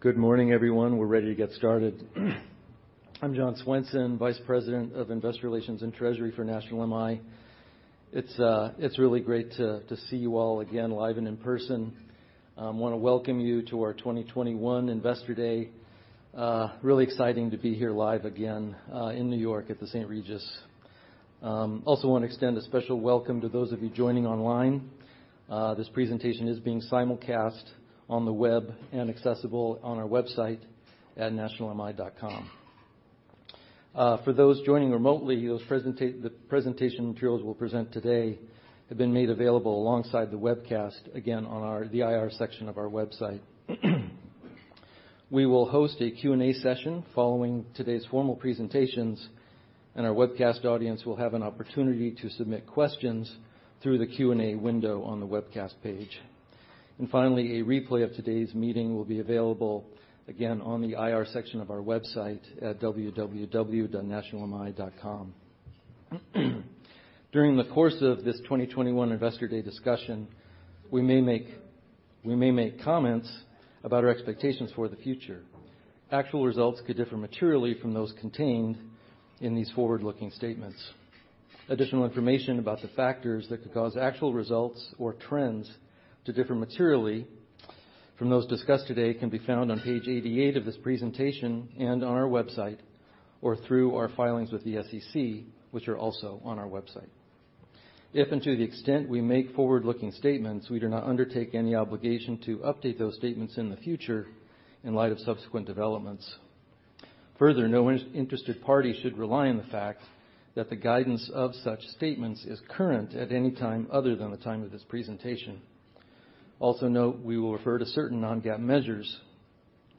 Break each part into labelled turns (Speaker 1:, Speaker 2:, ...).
Speaker 1: Good morning, everyone. We're ready to get started. I'm John Swenson, Vice President of Investor Relations and Treasury for National MI. It's really great to see you all again live and in person. Wanna welcome you to our 2021 Investor Day. Really exciting to be here live again in New York at the St. Regis. Also wanna extend a special welcome to those of you joining online. This presentation is being simulcast on the web and accessible on our website at nationalmi.com. For those joining remotely, the presentation materials we'll present today have been made available alongside the webcast, again, on the IR section of our website. We will host a Q&A session following today's formal presentations, and our webcast audience will have an opportunity to submit questions through the Q&A window on the webcast page. Finally, a replay of today's meeting will be available, again, on the IR section of our website at www.nationalmi.com. During the course of this 2021 Investor Day discussion, we may make comments about our expectations for the future. Actual results could differ materially from those contained in these forward-looking statements. Additional information about the factors that could cause actual results or trends to differ materially from those discussed today can be found on page 88 of this presentation and on our website or through our filings with the SEC, which are also on our website. If and to the extent we make forward-looking statements, we do not undertake any obligation to update those statements in the future in light of subsequent developments. Further, no interested party should rely on the fact that the guidance of such statements is current at any time other than the time of this presentation. Also note, we will refer to certain non-GAAP measures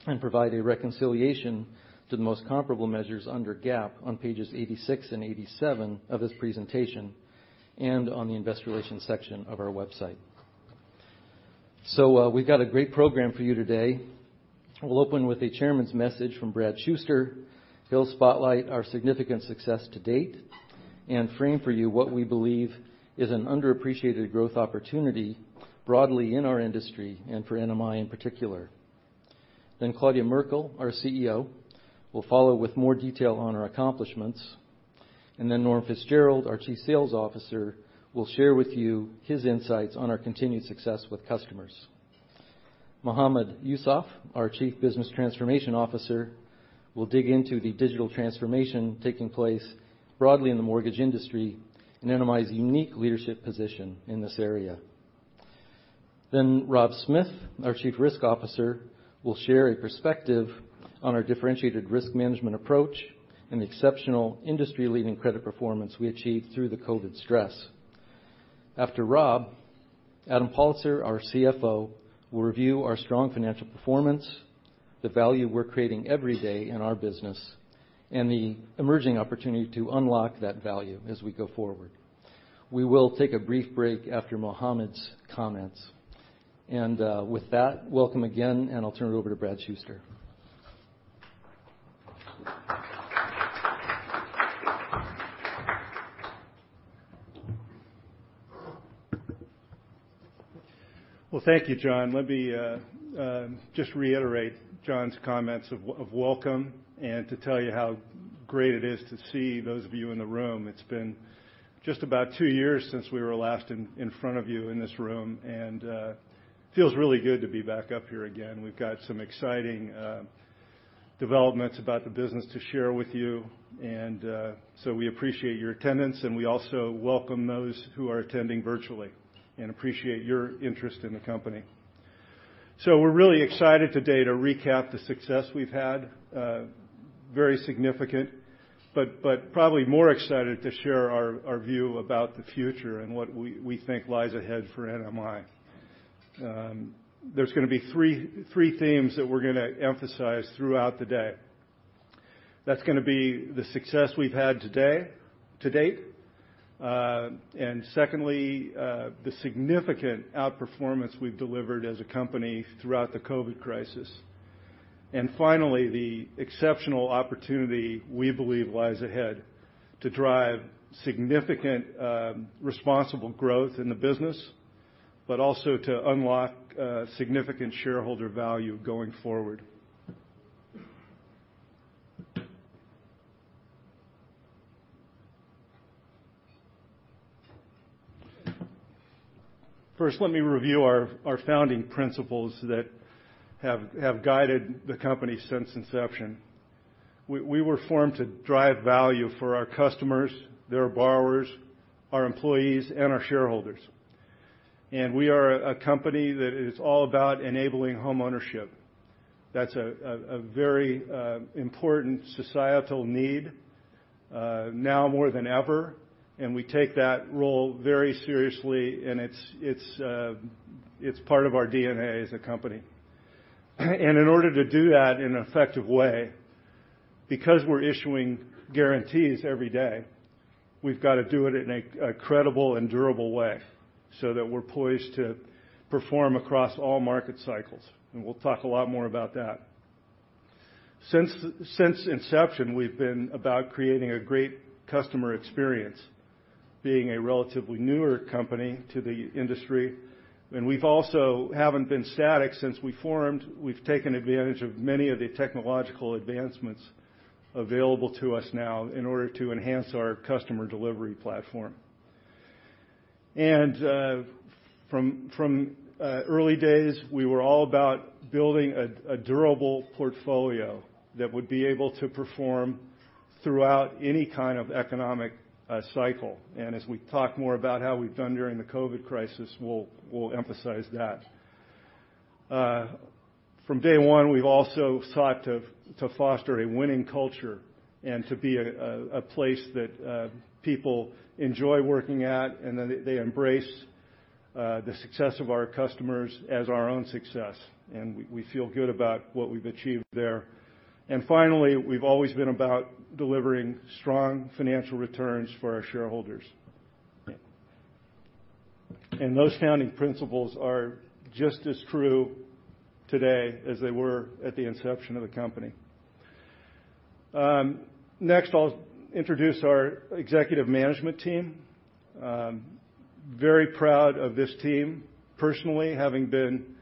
Speaker 1: and provide a reconciliation to the most comparable measures under GAAP on pages 86 and 87 of this presentation and on the Investor Relations section of our website. We've got a great program for you today. We'll open with a Chairman's message from Brad Shuster. He'll spotlight our significant success to date and frame for you what we believe is an underappreciated growth opportunity broadly in our industry and for NMI in particular. Claudia Merkle, our CEO, will follow with more detail on our accomplishments. Norm Fitzgerald, our Chief Sales Officer, will share with you his insights on our continued success with customers. Mohammad Yousaf, our Chief Business Transformation Officer, will dig into the digital transformation taking place broadly in the mortgage industry and NMI's unique leadership position in this area. Then Rob Smith, our Chief Risk Officer, will share a perspective on our differentiated risk management approach and the exceptional industry-leading credit performance we achieved through the COVID stress. After Rob, Adam Pollitzer, our CFO, will review our strong financial performance, the value we're creating every day in our business, and the emerging opportunity to unlock that value as we go forward. We will take a brief break after Mohammad's comments. With that, welcome again, and I'll turn it over to Brad Shuster.
Speaker 2: Well, thank you, John. Let me just reiterate John's comments of welcome and to tell you how great it is to see those of you in the room. It's been just about two years since we were last in front of you in this room, and feels really good to be back up here again. We've got some exciting developments about the business to share with you. We appreciate your attendance, and we also welcome those who are attending virtually and appreciate your interest in the company. We're really excited today to recap the success we've had, very significant, but probably more excited to share our view about the future and what we think lies ahead for NMI. There's gonna be three themes that we're gonna emphasize throughout the day. That's gonna be the success we've had to date. Second, the significant outperformance we've delivered as a company throughout the COVID crisis. Finally, the exceptional opportunity we believe lies ahead to drive significant responsible growth in the business, but also to unlock significant shareholder value going forward. First, let me review our founding principles that have guided the company since inception. We were formed to drive value for our customers, their borrowers, our employees, and our shareholders. We are a company that is all about enabling homeownership. That's a very important societal need, now more than ever, and we take that role very seriously and it's part of our DNA as a company. In order to do that in an effective way, because we're issuing guarantees every day, we've got to do it in a credible and durable way so that we're poised to perform across all market cycles, and we'll talk a lot more about that. Since inception, we've been about creating a great customer experience, being a relatively newer company to the industry. We also haven't been static since we formed. We've taken advantage of many of the technological advancements available to us now in order to enhance our customer delivery platform. From early days, we were all about building a durable portfolio that would be able to perform throughout any kind of economic cycle. As we talk more about how we've done during the COVID crisis, we'll emphasize that. From day one, we've also sought to foster a winning culture and to be a place that people enjoy working at, and that they embrace the success of our customers as our own success. We feel good about what we've achieved there. Finally, we've always been about delivering strong financial returns for our shareholders. Those founding principles are just as true today as they were at the inception of the company. Next, I'll introduce our executive management team. Very proud of this team, personally, having been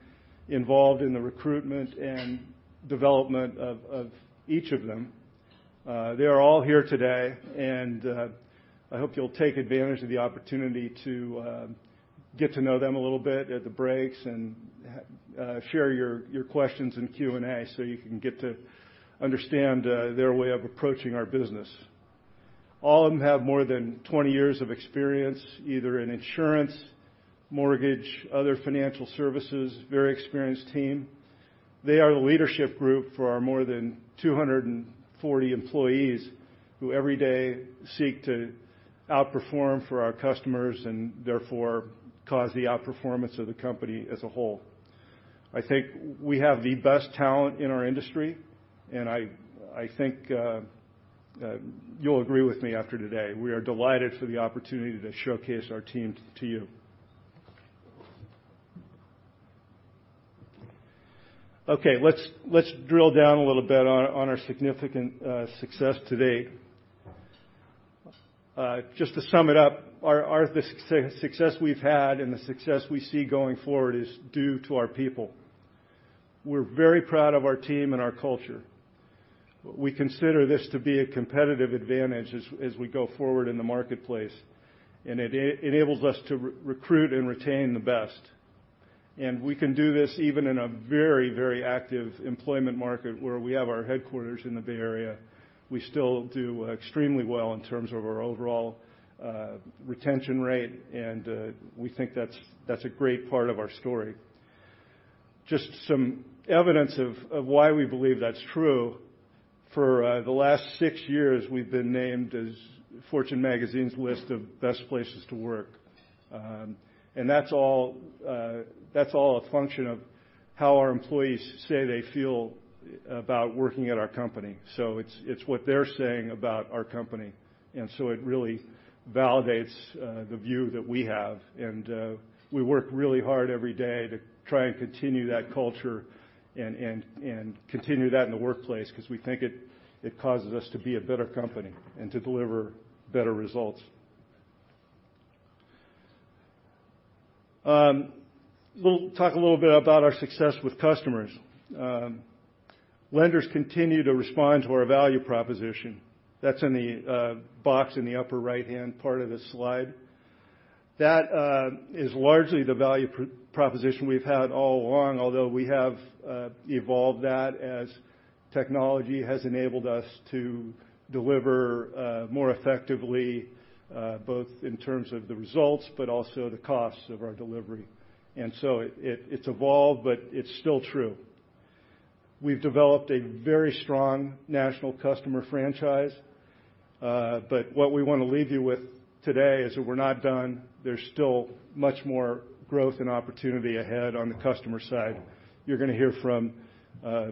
Speaker 2: involved in the recruitment and development of each of them. They are all here today, and I hope you'll take advantage of the opportunity to get to know them a little bit at the breaks and share your questions in Q&A so you can get to understand their way of approaching our business. All of them have more than 20 years of experience, either in insurance, mortgage, other financial services, very experienced team. They are the leadership group for our more than 240 employees who every day seek to outperform for our customers and therefore cause the outperformance of the company as a whole. I think we have the best talent in our industry, and I think you'll agree with me after today. We are delighted for the opportunity to showcase our team to you. Okay, let's drill down a little bit on our significant success to date. Just to sum it up, the success we've had and the success we see going forward is due to our people. We're very proud of our team and our culture. We consider this to be a competitive advantage as we go forward in the marketplace, and it enables us to recruit and retain the best. We can do this even in a very, very active employment market where we have our headquarters in the Bay Area. We still do extremely well in terms of our overall retention rate, and we think that's a great part of our story. Just some evidence of why we believe that's true. For the last six years, we've been named as Fortune Magazine's list of best places to work. That's all a function of how our employees say they feel about working at our company. It's what they're saying about our company. It really validates the view that we have. We work really hard every day to try and continue that culture and continue that in the workplace 'cause we think it causes us to be a better company and to deliver better results. We'll talk a little bit about our success with customers. Lenders continue to respond to our value proposition. That's in the box in the upper right-hand part of the slide. That is largely the value proposition we've had all along, although we have evolved that as technology has enabled us to deliver more effectively both in terms of the results, but also the costs of our delivery. It’s evolved, but it’s still true. We've developed a very strong national customer franchise, but what we wanna leave you with today is that we're not done. There's still much more growth and opportunity ahead on the customer side. You're gonna hear from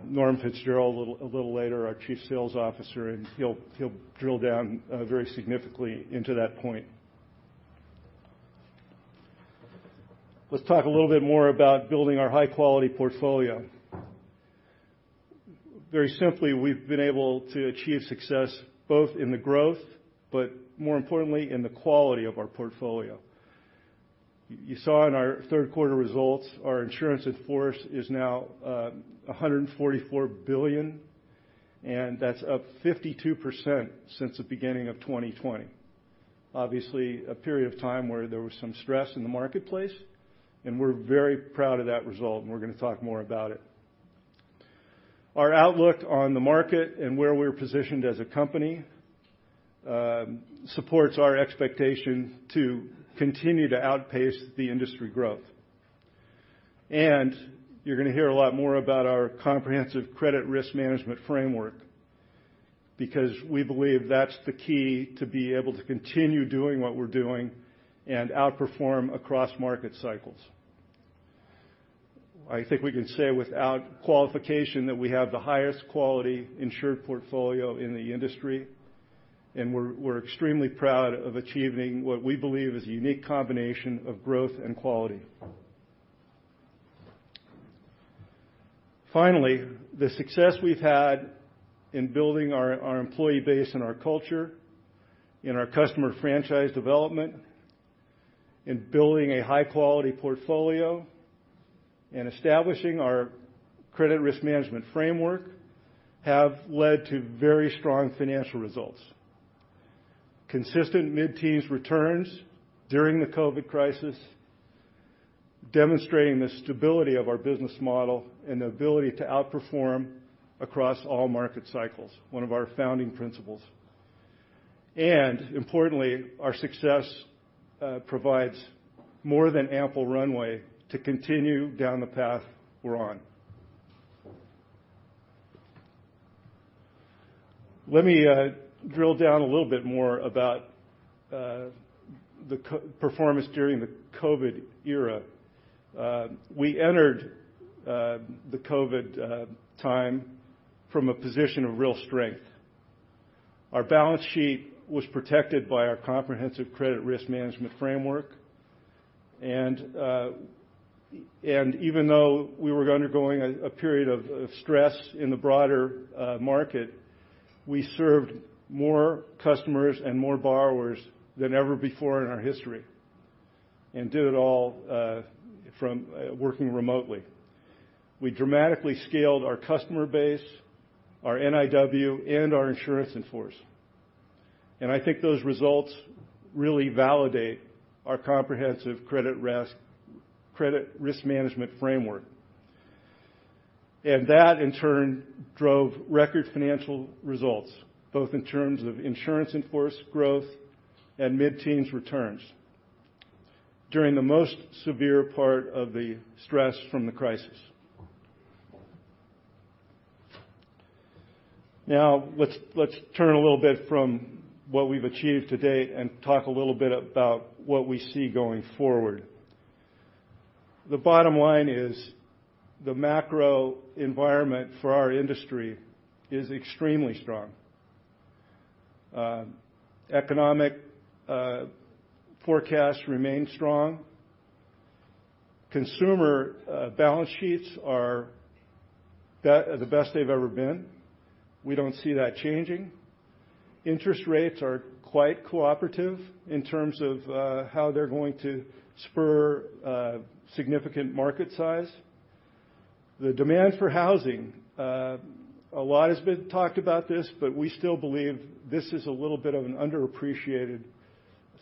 Speaker 2: Norm Fitzgerald a little later, our Chief Sales Officer, and he'll drill down very significantly into that point. Let's talk a little bit more about building our high-quality portfolio. Very simply, we've been able to achieve success both in the growth, but more importantly, in the quality of our portfolio. You saw in our Q3 results, our insurance in force is now $144 billion, and that's up 52% since the beginning of 2020. Obviously, a period of time where there was some stress in the marketplace, and we're very proud of that result, and we're gonna talk more about it. Our outlook on the market and where we're positioned as a company supports our expectation to continue to outpace the industry growth. You're gonna hear a lot more about our comprehensive credit risk management framework because we believe that's the key to be able to continue doing what we're doing and outperform across market cycles. I think we can say without qualification that we have the highest quality insured portfolio in the industry, and we're extremely proud of achieving what we believe is a unique combination of growth and quality. Finally, the success we've had in building our employee base and our culture, in our customer franchise development, in building a high quality portfolio, and establishing our credit risk management framework, have led to very strong financial results, consistent mid-teens returns during the COVID crisis, demonstrating the stability of our business model and the ability to outperform across all market cycles, one of our founding principles. Importantly, our success provides more than ample runway to continue down the path we're on. Let me drill down a little bit more about the performance during the COVID era. We entered the COVID time from a position of real strength. Our balance sheet was protected by our comprehensive credit risk management framework. Even though we were undergoing a period of stress in the broader market, we served more customers and more borrowers than ever before in our history, and did it all from working remotely. We dramatically scaled our customer base, our NIW, and our insurance in-force. I think those results really validate our comprehensive credit risk management framework. That, in turn, drove record financial results, both in terms of insurance in-force growth and mid-teens returns during the most severe part of the stress from the crisis. Now, let's turn a little bit from what we've achieved to date and talk a little bit about what we see going forward. The bottom line is the macro environment for our industry is extremely strong. Economic forecasts remain strong. Consumer balance sheets are the best they've ever been. We don't see that changing. Interest rates are quite cooperative in terms of how they're going to spur significant market size. The demand for housing, a lot has been talked about this, but we still believe this is a little bit of an underappreciated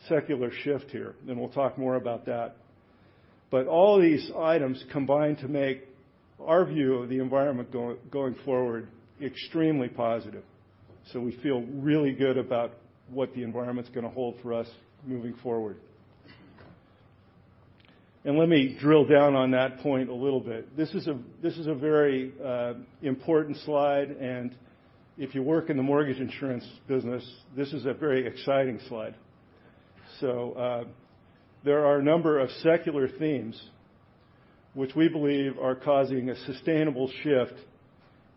Speaker 2: secular shift here, and we'll talk more about that. All these items combine to make our view of the environment going forward extremely positive. We feel really good about what the environment's gonna hold for us moving forward. Let me drill down on that point a little bit. This is a very important slide, and if you work in the mortgage insurance business, this is a very exciting slide. There are a number of secular themes which we believe are causing a sustainable shift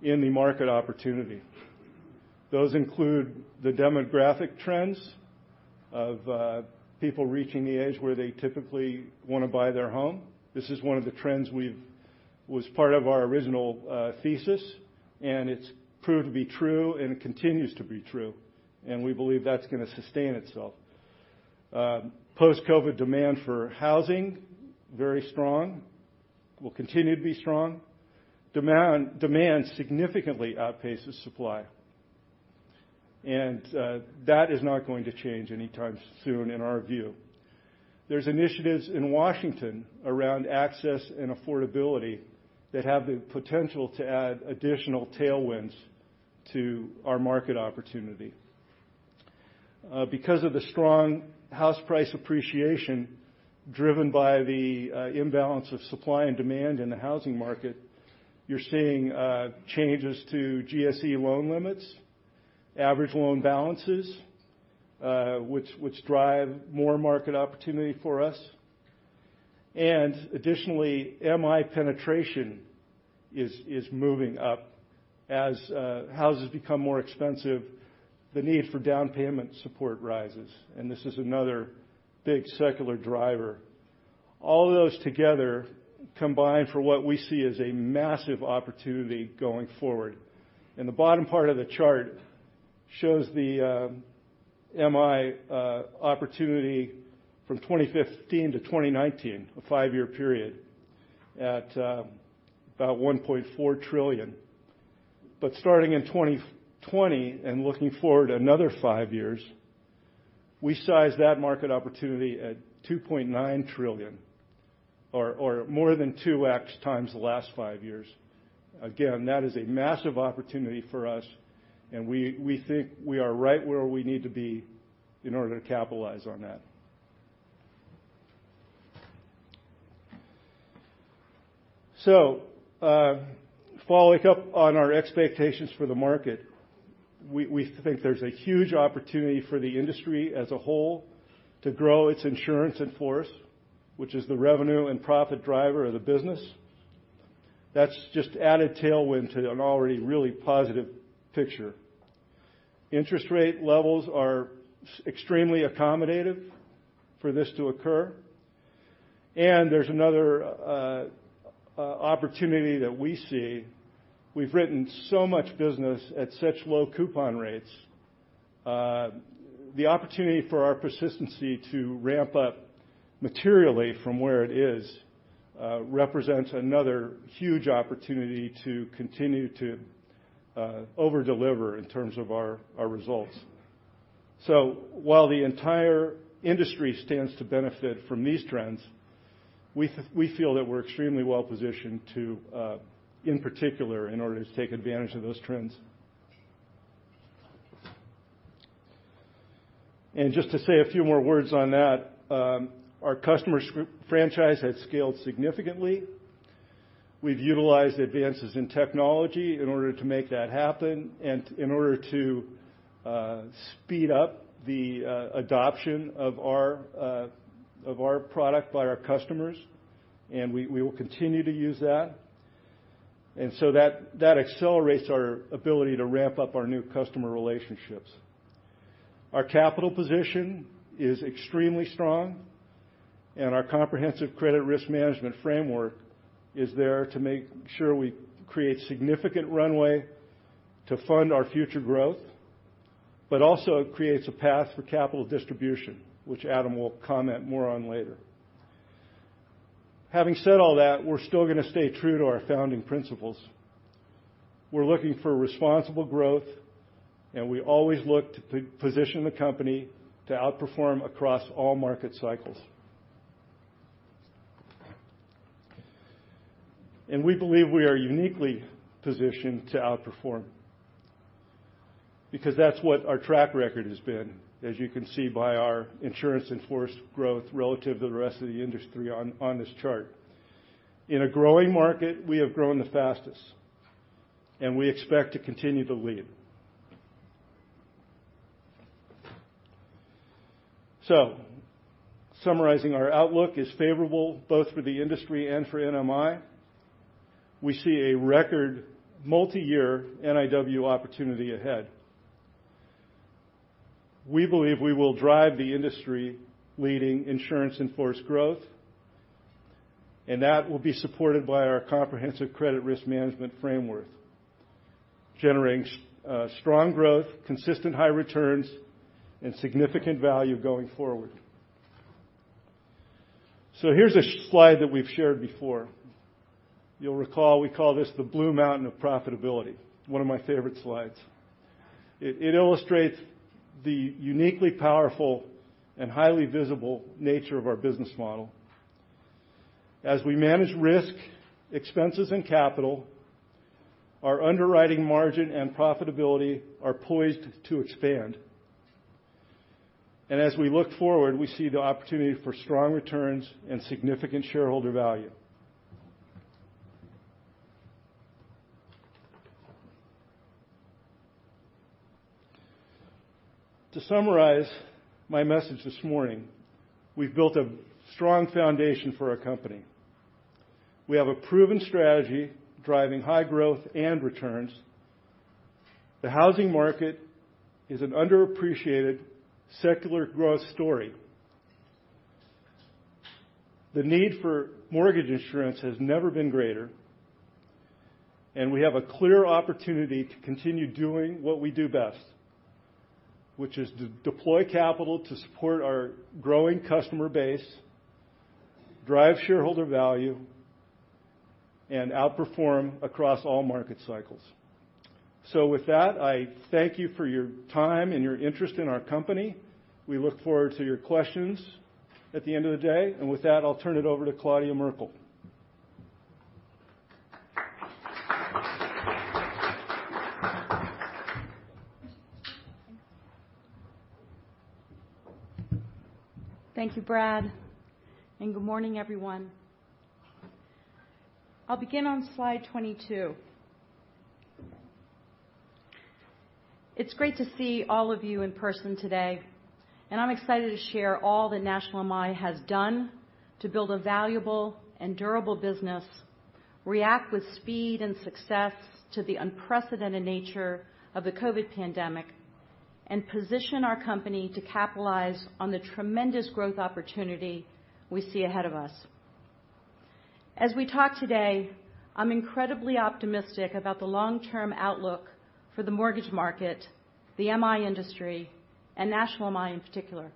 Speaker 2: in the market opportunity. Those include the demographic trends of people reaching the age where they typically wanna buy their home. This is one of the trends was part of our original thesis, and it's proved to be true and it continues to be true, and we believe that's gonna sustain itself. Post-COVID demand for housing, very strong, will continue to be strong. Demand significantly outpaces supply. That is not going to change anytime soon, in our view. There's initiatives in Washington around access and affordability that have the potential to add additional tailwinds to our market opportunity. Because of the strong house price appreciation, driven by the imbalance of supply and demand in the housing market, you're seeing changes to GSE loan limits, average loan balances, which drive more market opportunity for us. Additionally, MI penetration is moving up. As houses become more expensive, the need for down payment support rises, and this is another big secular driver. All of those together combine for what we see as a massive opportunity going forward. The bottom part of the chart shows the MI opportunity from 2015 to 2019, a five-year period, at about $1.4 trillion. Starting in 2020 and looking forward another five years, we size that market opportunity at $2.9 trillion or more than 2x the last five years. Again, that is a massive opportunity for us and we think we are right where we need to be in order to capitalize on that. So, following up on our expectations for the market, we think there's a huge opportunity for the industry as a whole to grow its insurance in force, which is the revenue and profit driver of the business. That's just added tailwind to an already really positive picture. Interest rate levels are extremely accommodative for this to occur. There's another opportunity that we see. We've written so much business at such low coupon rates, the opportunity for our persistency to ramp up materially from where it is represents another huge opportunity to continue to over-deliver in terms of our results. While the entire industry stands to benefit from these trends, we feel that we're extremely well-positioned to, in particular, in order to take advantage of those trends. Just to say a few more words on that, our customer franchise has scaled significantly. We've utilized advances in technology in order to make that happen and in order to speed up the adoption of our product by our customers, and we will continue to use that. That accelerates our ability to ramp up our new customer relationships. Our capital position is extremely strong, and our comprehensive credit risk management framework is there to make sure we create significant runway to fund our future growth, but also it creates a path for capital distribution, which Adam will comment more on later. Having said all that, we're still gonna stay true to our founding principles. We're looking for responsible growth, and we always look to position the company to outperform across all market cycles. We believe we are uniquely positioned to outperform because that's what our track record has been, as you can see by our insurance in force growth relative to the rest of the industry on this chart. In a growing market, we have grown the fastest, and we expect to continue to lead. Summarizing our outlook is favorable both for the industry and for NMI. We see a record multiyear NIW opportunity ahead. We believe we will drive the industry-leading insurance in force growth, and that will be supported by our comprehensive credit risk management framework, generating strong growth, consistent high returns, and significant value going forward. Here's a slide that we've shared before. You'll recall we call this the Blue Mountain of Profitability, one of my favorite slides. It illustrates the uniquely powerful and highly visible nature of our business model. As we manage risk, expenses, and capital, our underwriting margin and profitability are poised to expand. As we look forward, we see the opportunity for strong returns and significant shareholder value. To summarize my message this morning, we've built a strong foundation for our company. We have a proven strategy driving high growth and returns. The housing market is an underappreciated secular growth story. The need for mortgage insurance has never been greater, and we have a clear opportunity to continue doing what we do best, which is to deploy capital to support our growing customer base, drive shareholder value, and outperform across all market cycles. With that, I thank you for your time and your interest in our company. We look forward to your questions at the end of the day. With that, I'll turn it over to Claudia Merkle.
Speaker 3: Thank you, Brad, and good morning, everyone. I'll begin on slide 22. It's great to see all of you in person today, and I'm excited to share all that National MI has done to build a valuable and durable business, react with speed and success to the unprecedented nature of the COVID pandemic, and position our company to capitalize on the tremendous growth opportunity we see ahead of us. As we talk today, I'm incredibly optimistic about the long-term outlook for the mortgage market, the MI industry, and National MI in particular.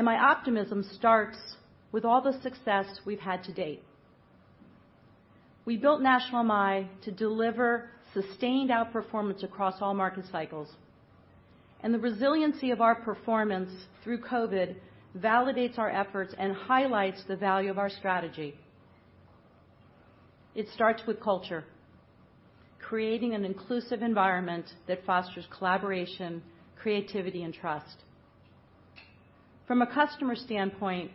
Speaker 3: My optimism starts with all the success we've had to date. We built National MI to deliver sustained outperformance across all market cycles, and the resiliency of our performance through COVID validates our efforts and highlights the value of our strategy. It starts with culture, creating an inclusive environment that fosters collaboration, creativity, and trust. From a customer standpoint,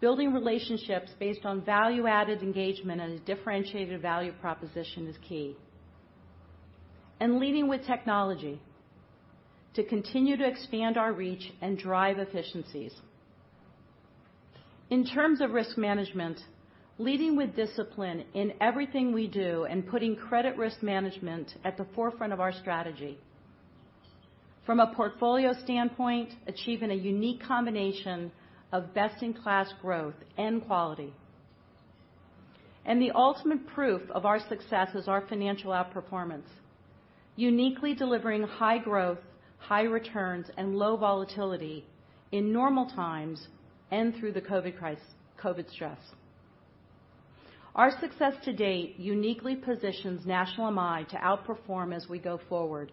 Speaker 3: building relationships based on value-added engagement and a differentiated value proposition is key. Leading with technology to continue to expand our reach and drive efficiencies. In terms of risk management, leading with discipline in everything we do, and putting credit risk management at the forefront of our strategy. From a portfolio standpoint, achieving a unique combination of best-in-class growth and quality. The ultimate proof of our success is our financial outperformance, uniquely delivering high growth, high returns, and low volatility in normal times and through the COVID stress. Our success to date uniquely positions National MI to outperform as we go forward,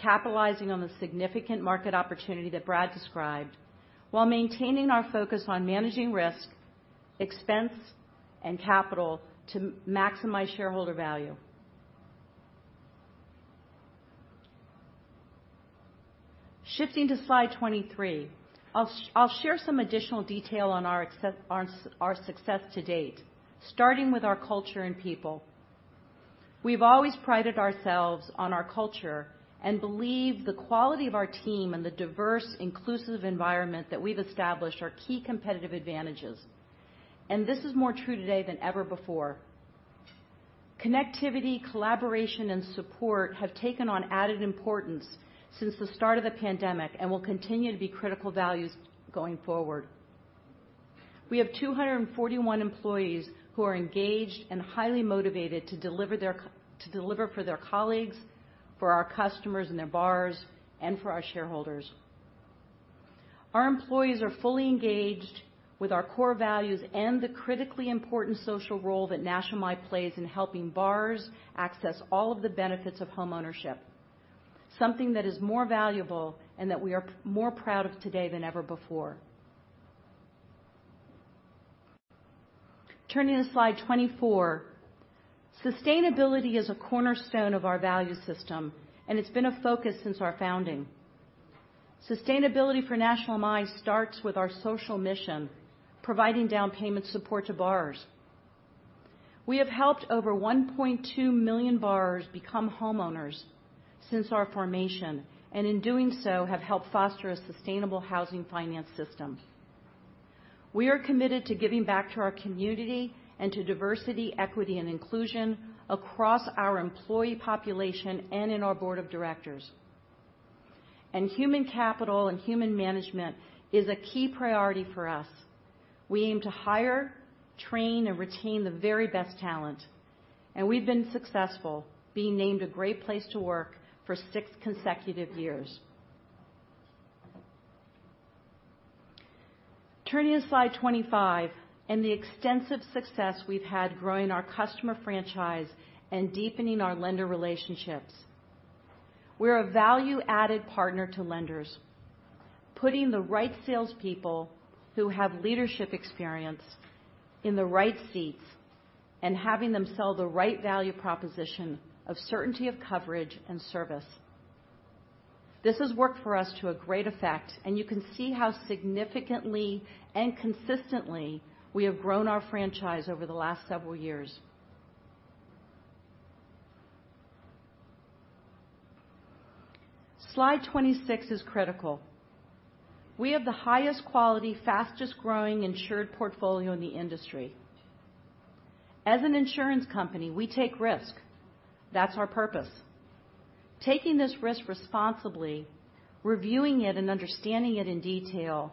Speaker 3: capitalizing on the significant market opportunity that Brad described, while maintaining our focus on managing risk, expense, and capital to maximize shareholder value. Shifting to slide 23, I'll share some additional detail on our success to date, starting with our culture and people. We've always prided ourselves on our culture and believe the quality of our team and the diverse, inclusive environment that we've established are key competitive advantages, and this is more true today than ever before. Connectivity, collaboration, and support have taken on added importance since the start of the pandemic and will continue to be critical values going forward. We have 241 employees who are engaged and highly motivated to deliver for their colleagues, for our customers and their borrowers, and for our shareholders. Our employees are fully engaged with our core values and the critically important social role that National MI plays in helping borrowers access all of the benefits of homeownership, something that is more valuable and that we are more proud of today than ever before. Turning to slide 24. Sustainability is a cornerstone of our value system, and it's been a focus since our founding. Sustainability for National MI starts with our social mission, providing down payment support to borrowers. We have helped over 1.2 million borrowers become homeowners since our formation, and in doing so, have helped foster a sustainable housing finance system. We are committed to giving back to our community and to diversity, equity, and inclusion across our employee population and in our board of directors. Human capital and human management is a key priority for us. We aim to hire, train, and retain the very best talent, and we've been successful, being named a Great Place to Work for six consecutive years. Turning to slide 25, the extensive success we've had growing our customer franchise and deepening our lender relationships. We're a value-added partner to lenders, putting the right salespeople who have leadership experience in the right seats and having them sell the right value proposition of certainty of coverage and service. This has worked for us to a great effect, and you can see how significantly and consistently we have grown our franchise over the last several years. Slide 26 is critical. We have the highest quality, fastest-growing insured portfolio in the industry. As an insurance company, we take risk. That's our purpose. Taking this risk responsibly, reviewing it, and understanding it in detail,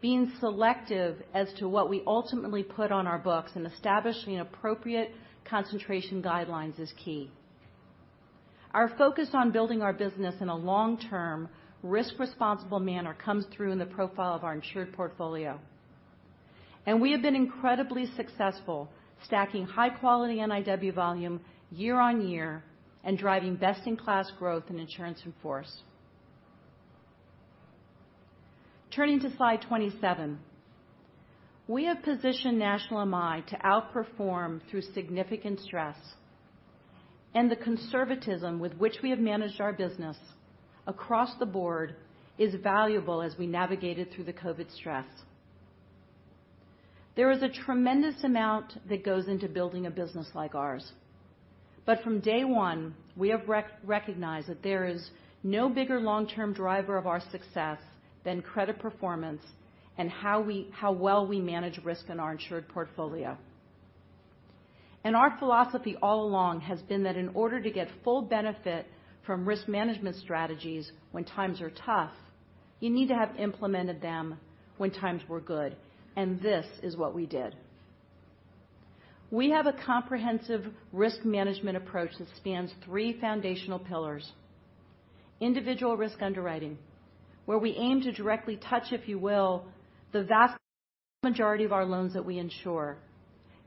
Speaker 3: being selective as to what we ultimately put on our books, and establishing appropriate concentration guidelines is key. Our focus on building our business in a long-term, risk-responsible manner comes through in the profile of our insured portfolio. We have been incredibly successful stacking high-quality NIW volume year on year and driving best-in-class growth in insurance in force. Turning to slide 27. We have positioned National MI to outperform through significant stress, and the conservatism with which we have managed our business across the board is valuable as we navigated through the COVID stress. There is a tremendous amount that goes into building a business like ours. From day one, we have recognized that there is no bigger long-term driver of our success than credit performance and how well we manage risk in our insured portfolio. Our philosophy all along has been that in order to get full benefit from risk management strategies when times are tough, you need to have implemented them when times were good, and this is what we did. We have a comprehensive risk management approach that spans three foundational pillars. Individual risk underwriting, where we aim to directly touch, if you will, the vast majority of our loans that we insure.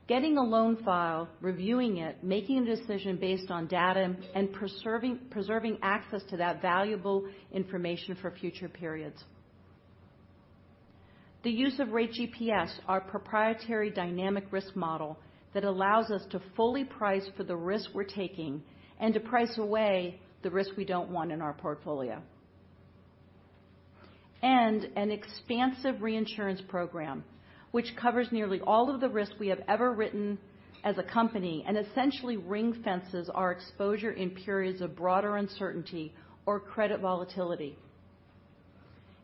Speaker 3: Getting a loan file, reviewing it, making a decision based on data, and preserving access to that valuable information for future periods. The use of Rate GPS, our proprietary dynamic risk model that allows us to fully price for the risk we're taking and to price away the risk we don't want in our portfolio. An expansive reinsurance program, which covers nearly all of the risks we have ever written as a company, and essentially ring-fences our exposure in periods of broader uncertainty or credit volatility.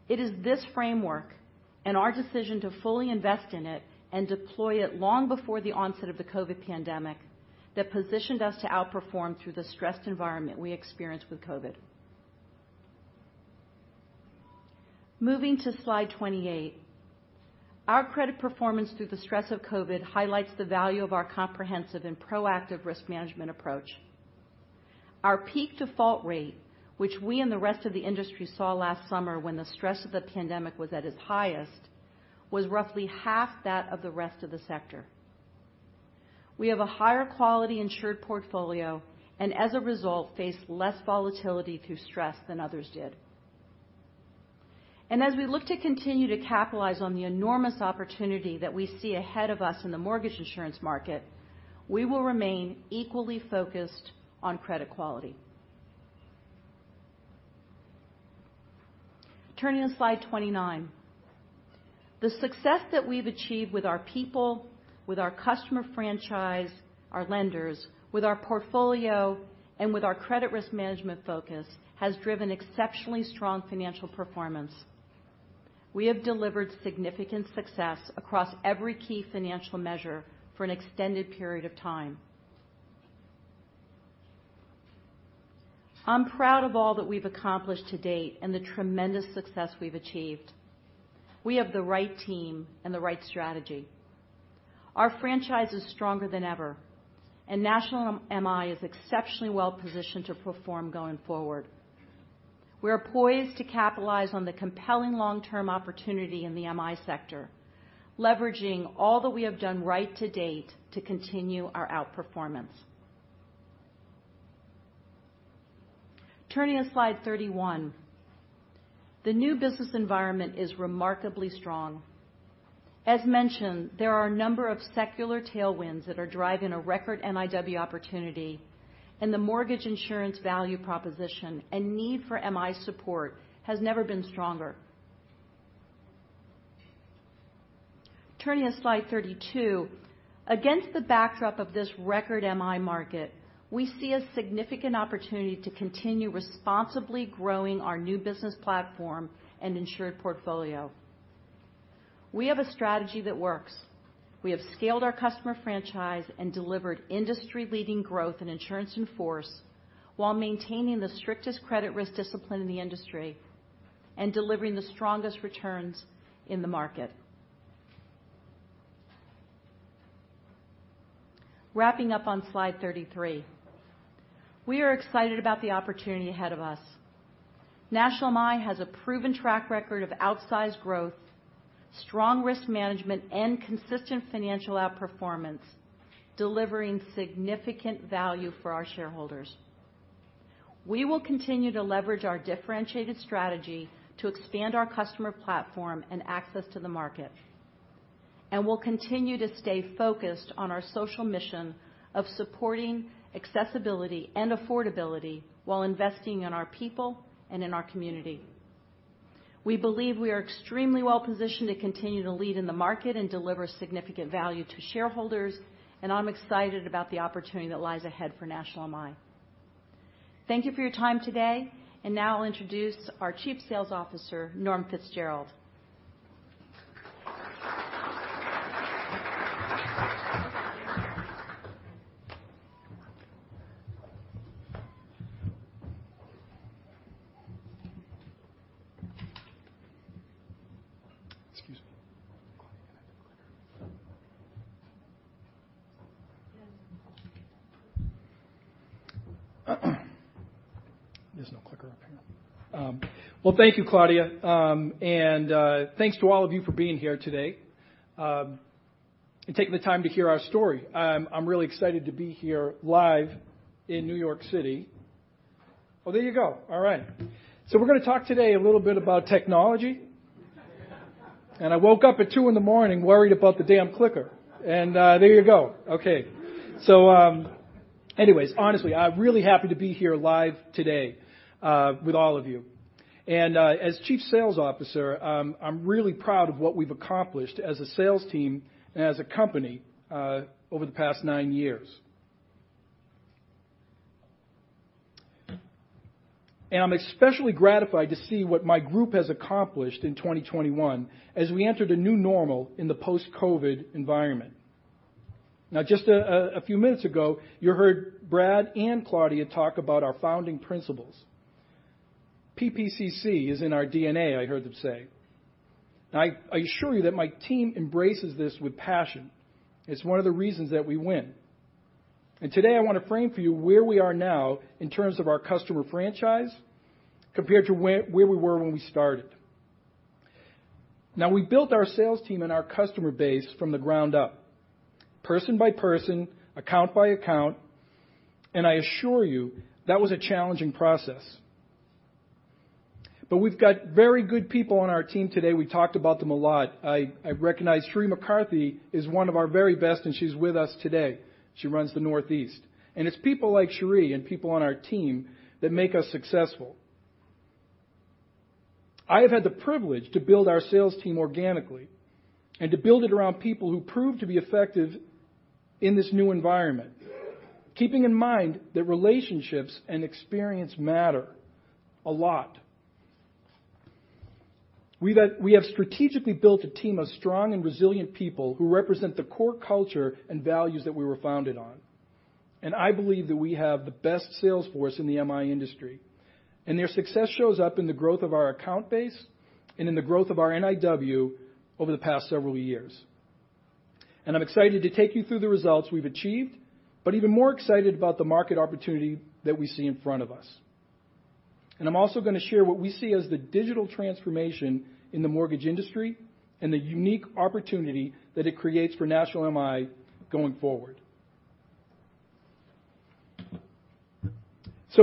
Speaker 3: It is this framework and our decision to fully invest in it and deploy it long before the onset of the COVID pandemic that positioned us to outperform through the stressed environment we experienced with COVID. Moving to slide 28. Our credit performance through the stress of COVID highlights the value of our comprehensive and proactive risk management approach. Our peak default rate, which we and the rest of the industry saw last summer when the stress of the pandemic was at its highest, was roughly half that of the rest of the sector. We have a higher quality insured portfolio, and as a result, faced less volatility through stress than others did. As we look to continue to capitalize on the enormous opportunity that we see ahead of us in the mortgage insurance market, we will remain equally focused on credit quality. Turning to slide 29. The success that we've achieved with our people, with our customer franchise, our lenders, with our portfolio, and with our credit risk management focus has driven exceptionally strong financial performance. We have delivered significant success across every key financial measure for an extended period of time. I'm proud of all that we've accomplished to date and the tremendous success we've achieved. We have the right team and the right strategy. Our franchise is stronger than ever, and National MI is exceptionally well-positioned to perform going forward. We are poised to capitalize on the compelling long-term opportunity in the MI sector, leveraging all that we have done right to date to continue our outperformance. Turning to slide 31. The new business environment is remarkably strong. As mentioned, there are a number of secular tailwinds that are driving a record MIW opportunity, and the mortgage insurance value proposition and need for MI support has never been stronger. Turning to slide 32. Against the backdrop of this record MI market, we see a significant opportunity to continue responsibly growing our new business platform and insured portfolio. We have a strategy that works. We have scaled our customer franchise and delivered industry-leading growth in insurance in force while maintaining the strictest credit risk discipline in the industry and delivering the strongest returns in the market. Wrapping up on slide 33. We are excited about the opportunity ahead of us. National MI has a proven track record of outsized growth, strong risk management, and consistent financial outperformance, delivering significant value for our shareholders. We will continue to leverage our differentiated strategy to expand our customer platform and access to the market. We'll continue to stay focused on our social mission of supporting accessibility and affordability while investing in our people and in our community. We believe we are extremely well-positioned to continue to lead in the market and deliver significant value to shareholders, and I'm excited about the opportunity that lies ahead for National MI. Thank you for your time today. Now I'll introduce our Chief Sales Officer, Norm Fitzgerald.
Speaker 4: Excuse me. There's no clicker up here. Well, thank you, Claudia. Thanks to all of you for being here today and taking the time to hear our story. I'm really excited to be here live in New York City. Oh, there you go. All right. We're gonna talk today a little bit about technology. I woke up at two in the morning worried about the damn clicker, and there you go. Okay. Anyways, honestly, I'm really happy to be here live today with all of you. As Chief Sales Officer, I'm really proud of what we've accomplished as a sales team and as a company over the past nine years. I'm especially gratified to see what my group has accomplished in 2021 as we entered a new normal in the post-COVID environment. Now, just a few minutes ago, you heard Brad and Claudia talk about our founding principles. PPCC is in our DNA, I heard them say. Now, I assure you that my team embraces this with passion. It's one of the reasons that we win. Today, I wanna frame for you where we are now in terms of our customer franchise compared to where we were when we started. Now, we built our sales team and our customer base from the ground up, person by person, account by account, and I assure you that was a challenging process. We've got very good people on our team today. We talked about them a lot. I recognize Sheree McCarthy is one of our very best, and she's with us today. She runs the Northeast. It's people like Sheree and people on our team that make us successful. I have had the privilege to build our sales team organically and to build it around people who prove to be effective in this new environment, keeping in mind that relationships and experience matter a lot. We have strategically built a team of strong and resilient people who represent the core culture and values that we were founded on. I believe that we have the best sales force in the MI industry, and their success shows up in the growth of our account base and in the growth of our NIW over the past several years. I'm excited to take you through the results we've achieved, but even more excited about the market opportunity that we see in front of us. I'm also gonna share what we see as the digital transformation in the mortgage industry and the unique opportunity that it creates for National MI going forward.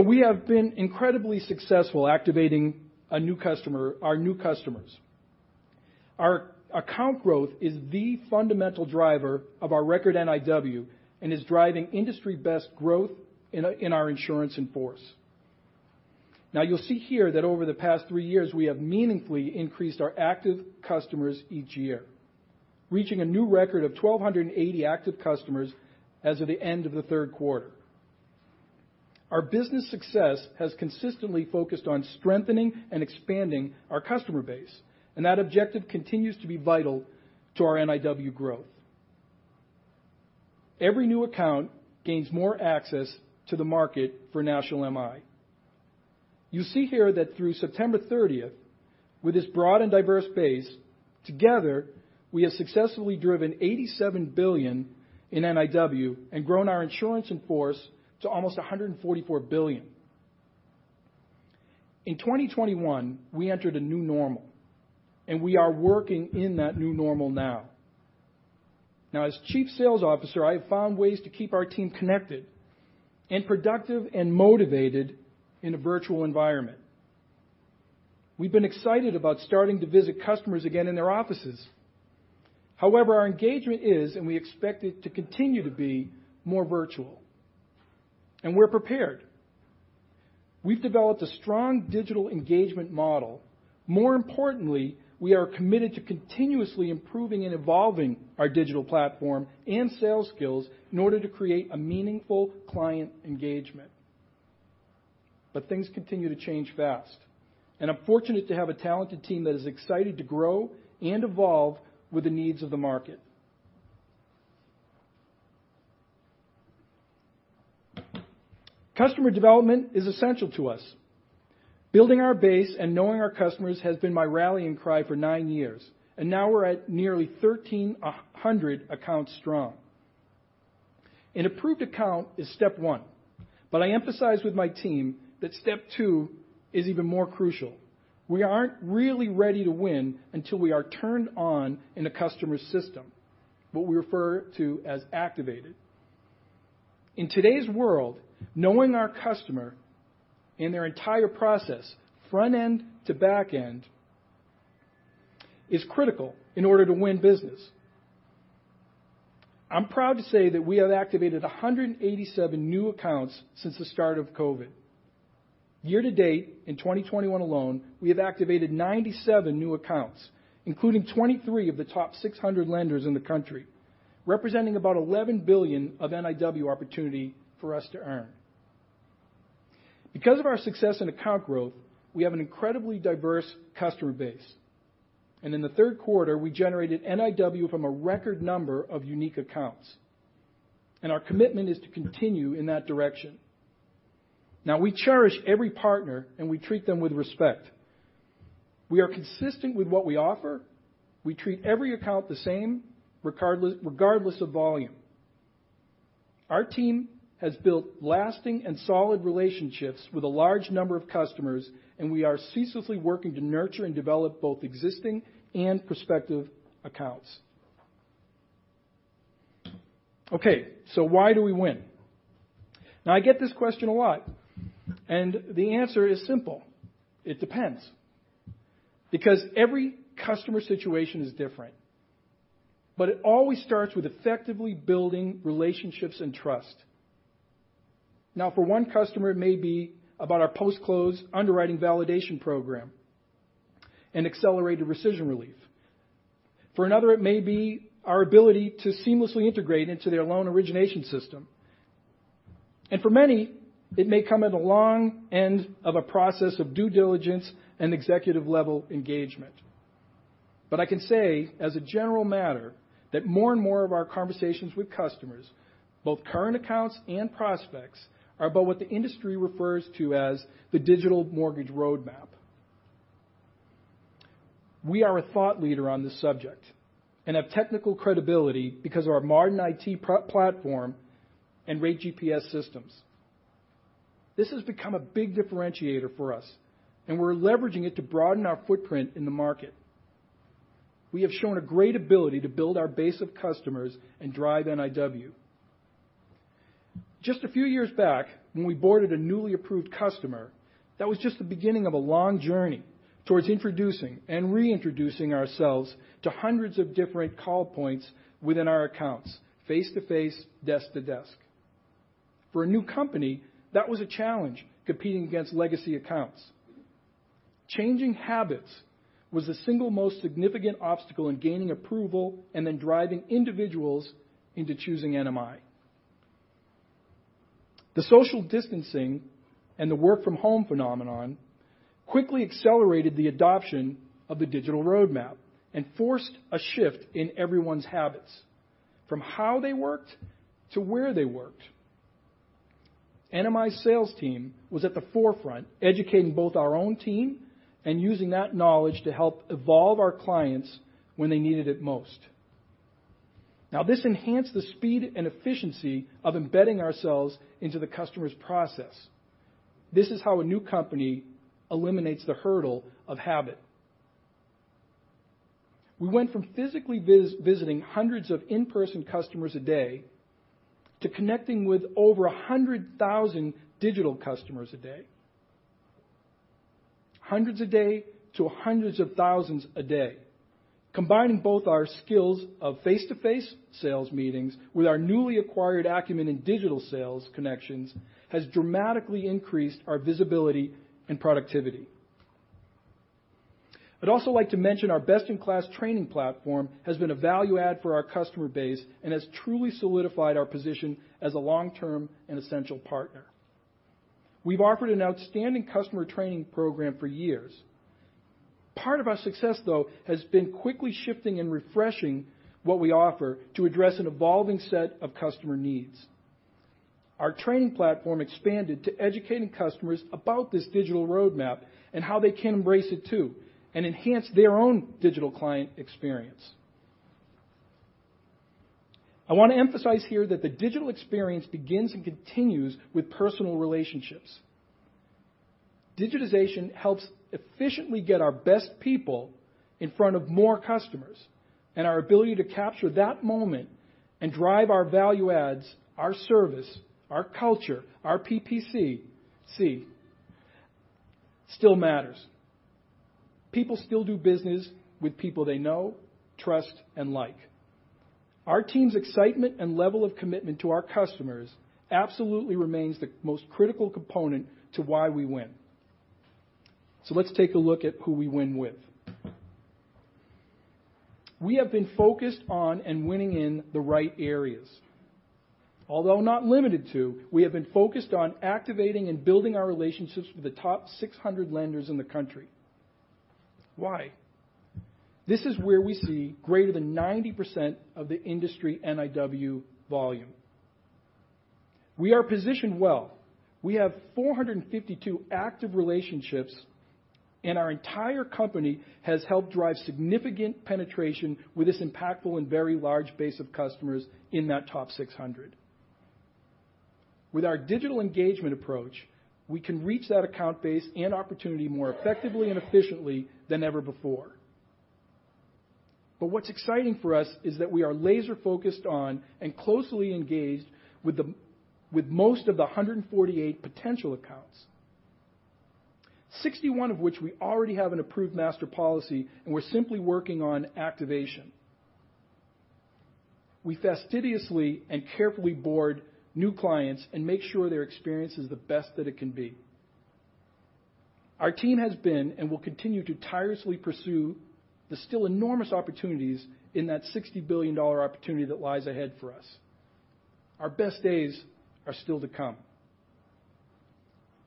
Speaker 4: We have been incredibly successful activating a new customer, our new customers. Our account growth is the fundamental driver of our record NIW and is driving industry-best growth in our insurance in force. Now, you'll see here that over the past three years, we have meaningfully increased our active customers each year, reaching a new record of 1,280 active customers as of the end of the Q3. Our business success has consistently focused on strengthening and expanding our customer base, and that objective continues to be vital to our NIW growth. Every new account gains more access to the market for National MI. You see here that through September 30th, with this broad and diverse base, together, we have successfully driven $87 billion in NIW and grown our insurance in force to almost $144 billion. In 2021, we entered a new normal, and we are working in that new normal now. Now, as Chief Sales Officer, I have found ways to keep our team connected and productive and motivated in a virtual environment. We've been excited about starting to visit customers again in their offices. However, our engagement is, and we expect it to continue to be more virtual, and we're prepared. We've developed a strong digital engagement model. More importantly, we are committed to continuously improving and evolving our digital platform and sales skills in order to create a meaningful client engagement. Things continue to change fast, and I'm fortunate to have a talented team that is excited to grow and evolve with the needs of the market. Customer development is essential to us. Building our base and knowing our customers has been my rallying cry for nine years, and now we're at nearly 1,300 accounts strong. An approved account is step one, but I emphasize with my team that step two is even more crucial. We aren't really ready to win until we are turned on in a customer's system, what we refer to as activated. In today's world, knowing our customer and their entire process, front end to back end, is critical in order to win business. I'm proud to say that we have activated 187 new accounts since the start of COVID. Year to date, in 2021 alone, we have activated 97 new accounts, including 23 of the top 600 lenders in the country, representing about $11 billion of NIW opportunity for us to earn. Because of our success in account growth, we have an incredibly diverse customer base. In the Q3, we generated NIW from a record number of unique accounts, and our commitment is to continue in that direction. Now, we cherish every partner, and we treat them with respect. We are consistent with what we offer. We treat every account the same regardless of volume. Our team has built lasting and solid relationships with a large number of customers, and we are ceaselessly working to nurture and develop both existing and prospective accounts. Okay, so why do we win? Now I get this question a lot, and the answer is simple. It depends. Because every customer situation is different, but it always starts with effectively building relationships and trust. Now, for one customer, it may be about our post-close underwriting validation program and accelerated rescission relief. For another, it may be our ability to seamlessly integrate into their loan origination system. For many, it may come at a long end of a process of due diligence and executive-level engagement. I can say, as a general matter, that more and more of our conversations with customers, both current accounts and prospects, are about what the industry refers to as the digital mortgage roadmap. We are a thought leader on this subject and have technical credibility because of our modern IT platform and Rate GPS systems. This has become a big differentiator for us, and we're leveraging it to broaden our footprint in the market. We have shown a great ability to build our base of customers and drive NIW. Just a few years back, when we boarded a newly approved customer, that was just the beginning of a long journey towards introducing and reintroducing ourselves to hundreds of different call points within our accounts face-to-face, desk-to-desk. For a new company, that was a challenge competing against legacy accounts. Changing habits was the single most significant obstacle in gaining approval and then driving individuals into choosing NMI. The social distancing and the work from home phenomenon quickly accelerated the adoption of the digital roadmap and forced a shift in everyone's habits. From how they worked to where they worked. NMI's sales team was at the forefront, educating both our own team and using that knowledge to help evolve our clients when they needed it most. Now, this enhanced the speed and efficiency of embedding ourselves into the customer's process. This is how a new company eliminates the hurdle of habit. We went from physically visiting hundreds of in-person customers a day to connecting with over 100,000 digital customers a day. Hundreds a day to hundreds of thousands a day. Combining both our skills of face-to-face sales meetings with our newly acquired acumen in digital sales connections has dramatically increased our visibility and productivity. I'd also like to mention our best-in-class training platform has been a value add for our customer base and has truly solidified our position as a long-term and essential partner. We've offered an outstanding customer training program for years. Part of our success, though, has been quickly shifting and refreshing what we offer to address an evolving set of customer needs. Our training platform expanded to educating customers about this digital roadmap and how they can embrace it, too, and enhance their own digital client experience. I want to emphasize here that the digital experience begins and continues with personal relationships. Digitization helps efficiently get our best people in front of more customers, and our ability to capture that moment and drive our value adds, our service, our culture, our PPC still matters. People still do business with people they know, trust, and like. Our team's excitement and level of commitment to our customers absolutely remains the most critical component to why we win. Let's take a look at who we win with. We have been focused on and winning in the right areas. Although not limited to, we have been focused on activating and building our relationships with the top 600 lenders in the country. Why? This is where we see greater than 90% of the industry NIW volume. We are positioned well. We have 452 active relationships, and our entire company has helped drive significant penetration with this impactful and very large base of customers in that top 600. With our digital engagement approach, we can reach that account base and opportunity more effectively and efficiently than ever before. What's exciting for us is that we are laser-focused on and closely engaged with most of the 148 potential accounts. 61 of which we already have an approved master policy, and we're simply working on activation. We fastidiously and carefully board new clients and make sure their experience is the best that it can be. Our team has been, and will continue to tirelessly pursue the still enormous opportunities in that $60 billion opportunity that lies ahead for us. Our best days are still to come.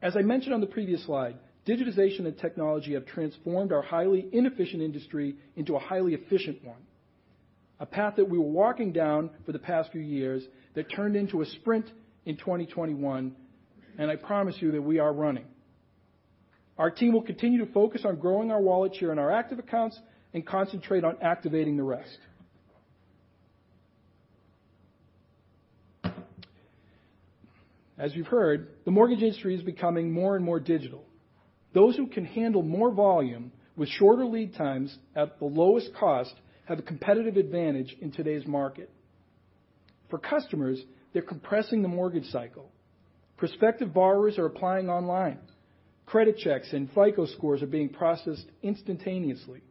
Speaker 4: As I mentioned on the previous slide, digitization and technology have transformed our highly inefficient industry into a highly efficient one. A path that we were walking down for the past few years that turned into a sprint in 2021, and I promise you that we are running. Our team will continue to focus on growing our wallet share and our active accounts and concentrate on activating the rest. As you've heard, the mortgage industry is becoming more and more digital. Those who can handle more volume with shorter lead times at the lowest cost have a competitive advantage in today's market. For customers, they're compressing the mortgage cycle. Prospective borrowers are applying online. Credit checks and FICO scores are being processed instantaneously.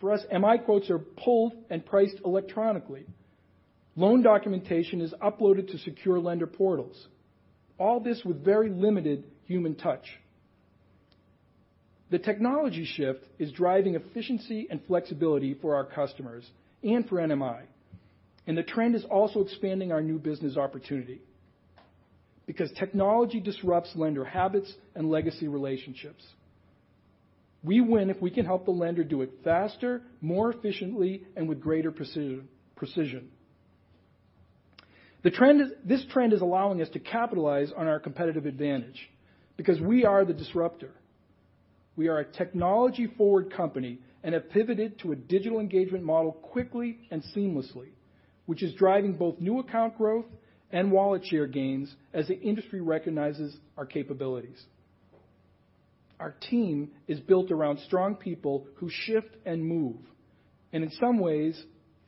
Speaker 4: For us, MI quotes are pulled and priced electronically. Loan documentation is uploaded to secure lender portals. All this with very limited human touch. The technology shift is driving efficiency and flexibility for our customers and for NMI. The trend is also expanding our new business opportunity because technology disrupts lender habits and legacy relationships. We win if we can help the lender do it faster, more efficiently, and with greater precision. This trend is allowing us to capitalize on our competitive advantage because we are the disruptor. We are a technology-forward company and have pivoted to a digital engagement model quickly and seamlessly, which is driving both new account growth and wallet share gains as the industry recognizes our capabilities. Our team is built around strong people who shift and move, and in some ways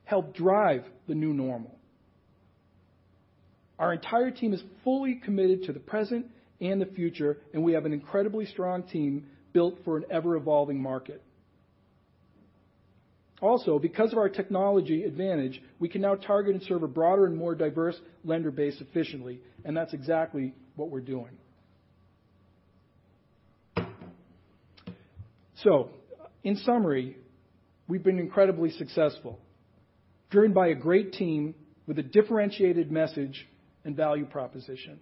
Speaker 4: help drive the new normal. Our entire team is fully committed to the present and the future, and we have an incredibly strong team built for an ever-evolving market. Also, because of our technology advantage, we can now target and serve a broader and more diverse lender base efficiently, and that's exactly what we're doing. In summary, we've been incredibly successful, driven by a great team with a differentiated message and value proposition.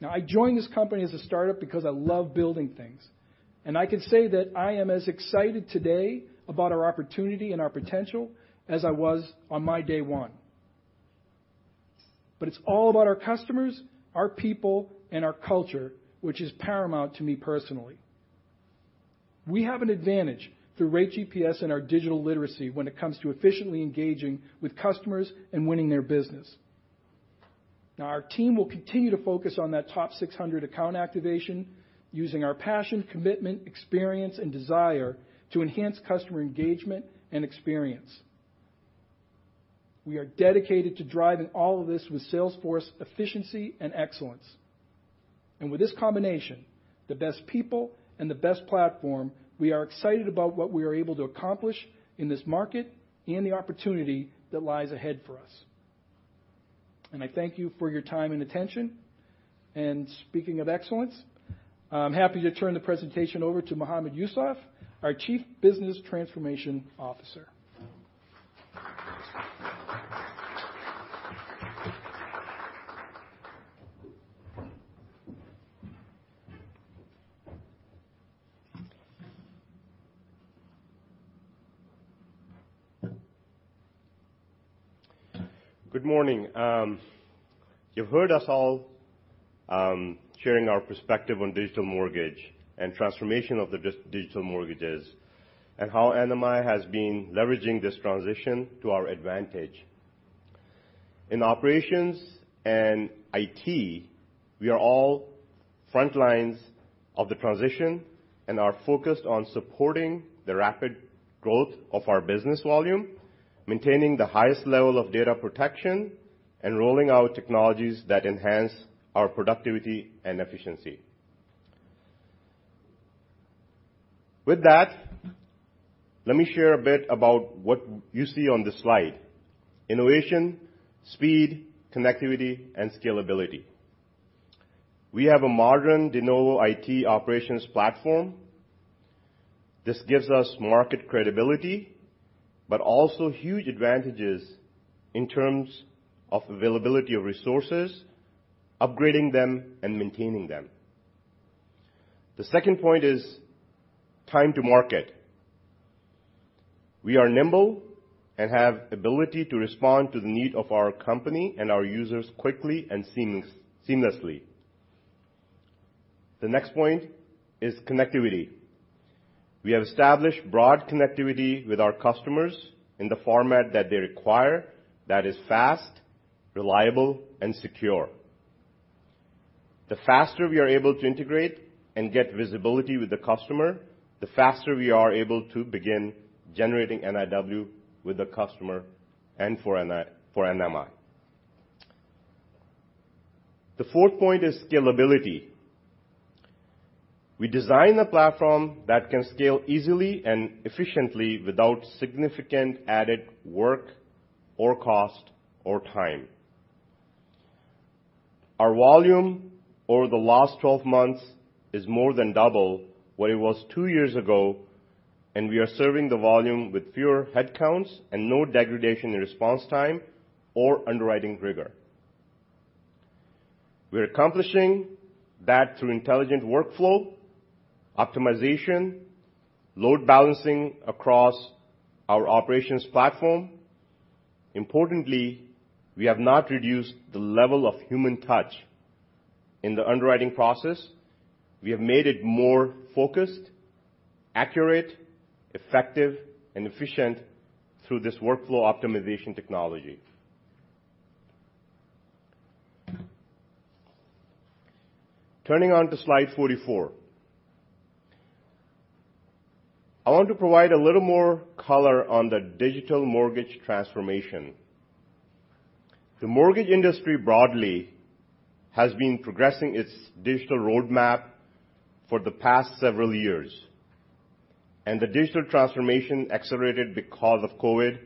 Speaker 4: Now, I joined this company as a startup because I love building things, and I can say that I am as excited today about our opportunity and our potential as I was on my day one. It's all about our customers, our people, and our culture, which is paramount to me personally. We have an advantage through Rate GPS and our digital literacy when it comes to efficiently engaging with customers and winning their business. Now, our team will continue to focus on that top 600 account activation using our passion, commitment, experience, and desire to enhance customer engagement and experience. We are dedicated to driving all of this with Salesforce efficiency and excellence. With this combination, the best people and the best platform, we are excited about what we are able to accomplish in this market and the opportunity that lies ahead for us. I thank you for your time and attention. Speaking of excellence, I'm happy to turn the presentation over to Mohammad Yousaf, our Chief Business Transformation Officer.
Speaker 5: Good morning. You've heard us all sharing our perspective on digital mortgage and transformation of the digital mortgages, and how NMI has been leveraging this transition to our advantage. In operations and IT, we are on the front lines of the transition and are focused on supporting the rapid growth of our business volume, maintaining the highest level of data protection, and rolling out technologies that enhance our productivity and efficiency. With that, let me share a bit about what you see on this slide. Innovation, speed, connectivity, and scalability. We have a modern de novo IT operations platform. This gives us market credibility, but also huge advantages in terms of availability of resources, upgrading them and maintaining them. The second point is time to market. We are nimble and have ability to respond to the need of our company and our users quickly and seamlessly. The next point is connectivity. We have established broad connectivity with our customers in the format that they require that is fast, reliable and secure. The faster we are able to integrate and get visibility with the customer, the faster we are able to begin generating NIW with the customer and for NMI. The fourth point is scalability. We design a platform that can scale easily and efficiently without significant added work or cost or time. Our volume over the last 12 months is more than double what it was two years ago, and we are serving the volume with fewer headcounts and no degradation in response time or underwriting rigor. We're accomplishing that through intelligent workflow, optimization, load balancing across our operations platform. Importantly, we have not reduced the level of human touch in the underwriting process. We have made it more focused, accurate, effective, and efficient through this workflow optimization technology. Turning on to slide 44. I want to provide a little more color on the digital mortgage transformation. The mortgage industry broadly has been progressing its digital roadmap for the past several years, and the digital transformation accelerated because of COVID.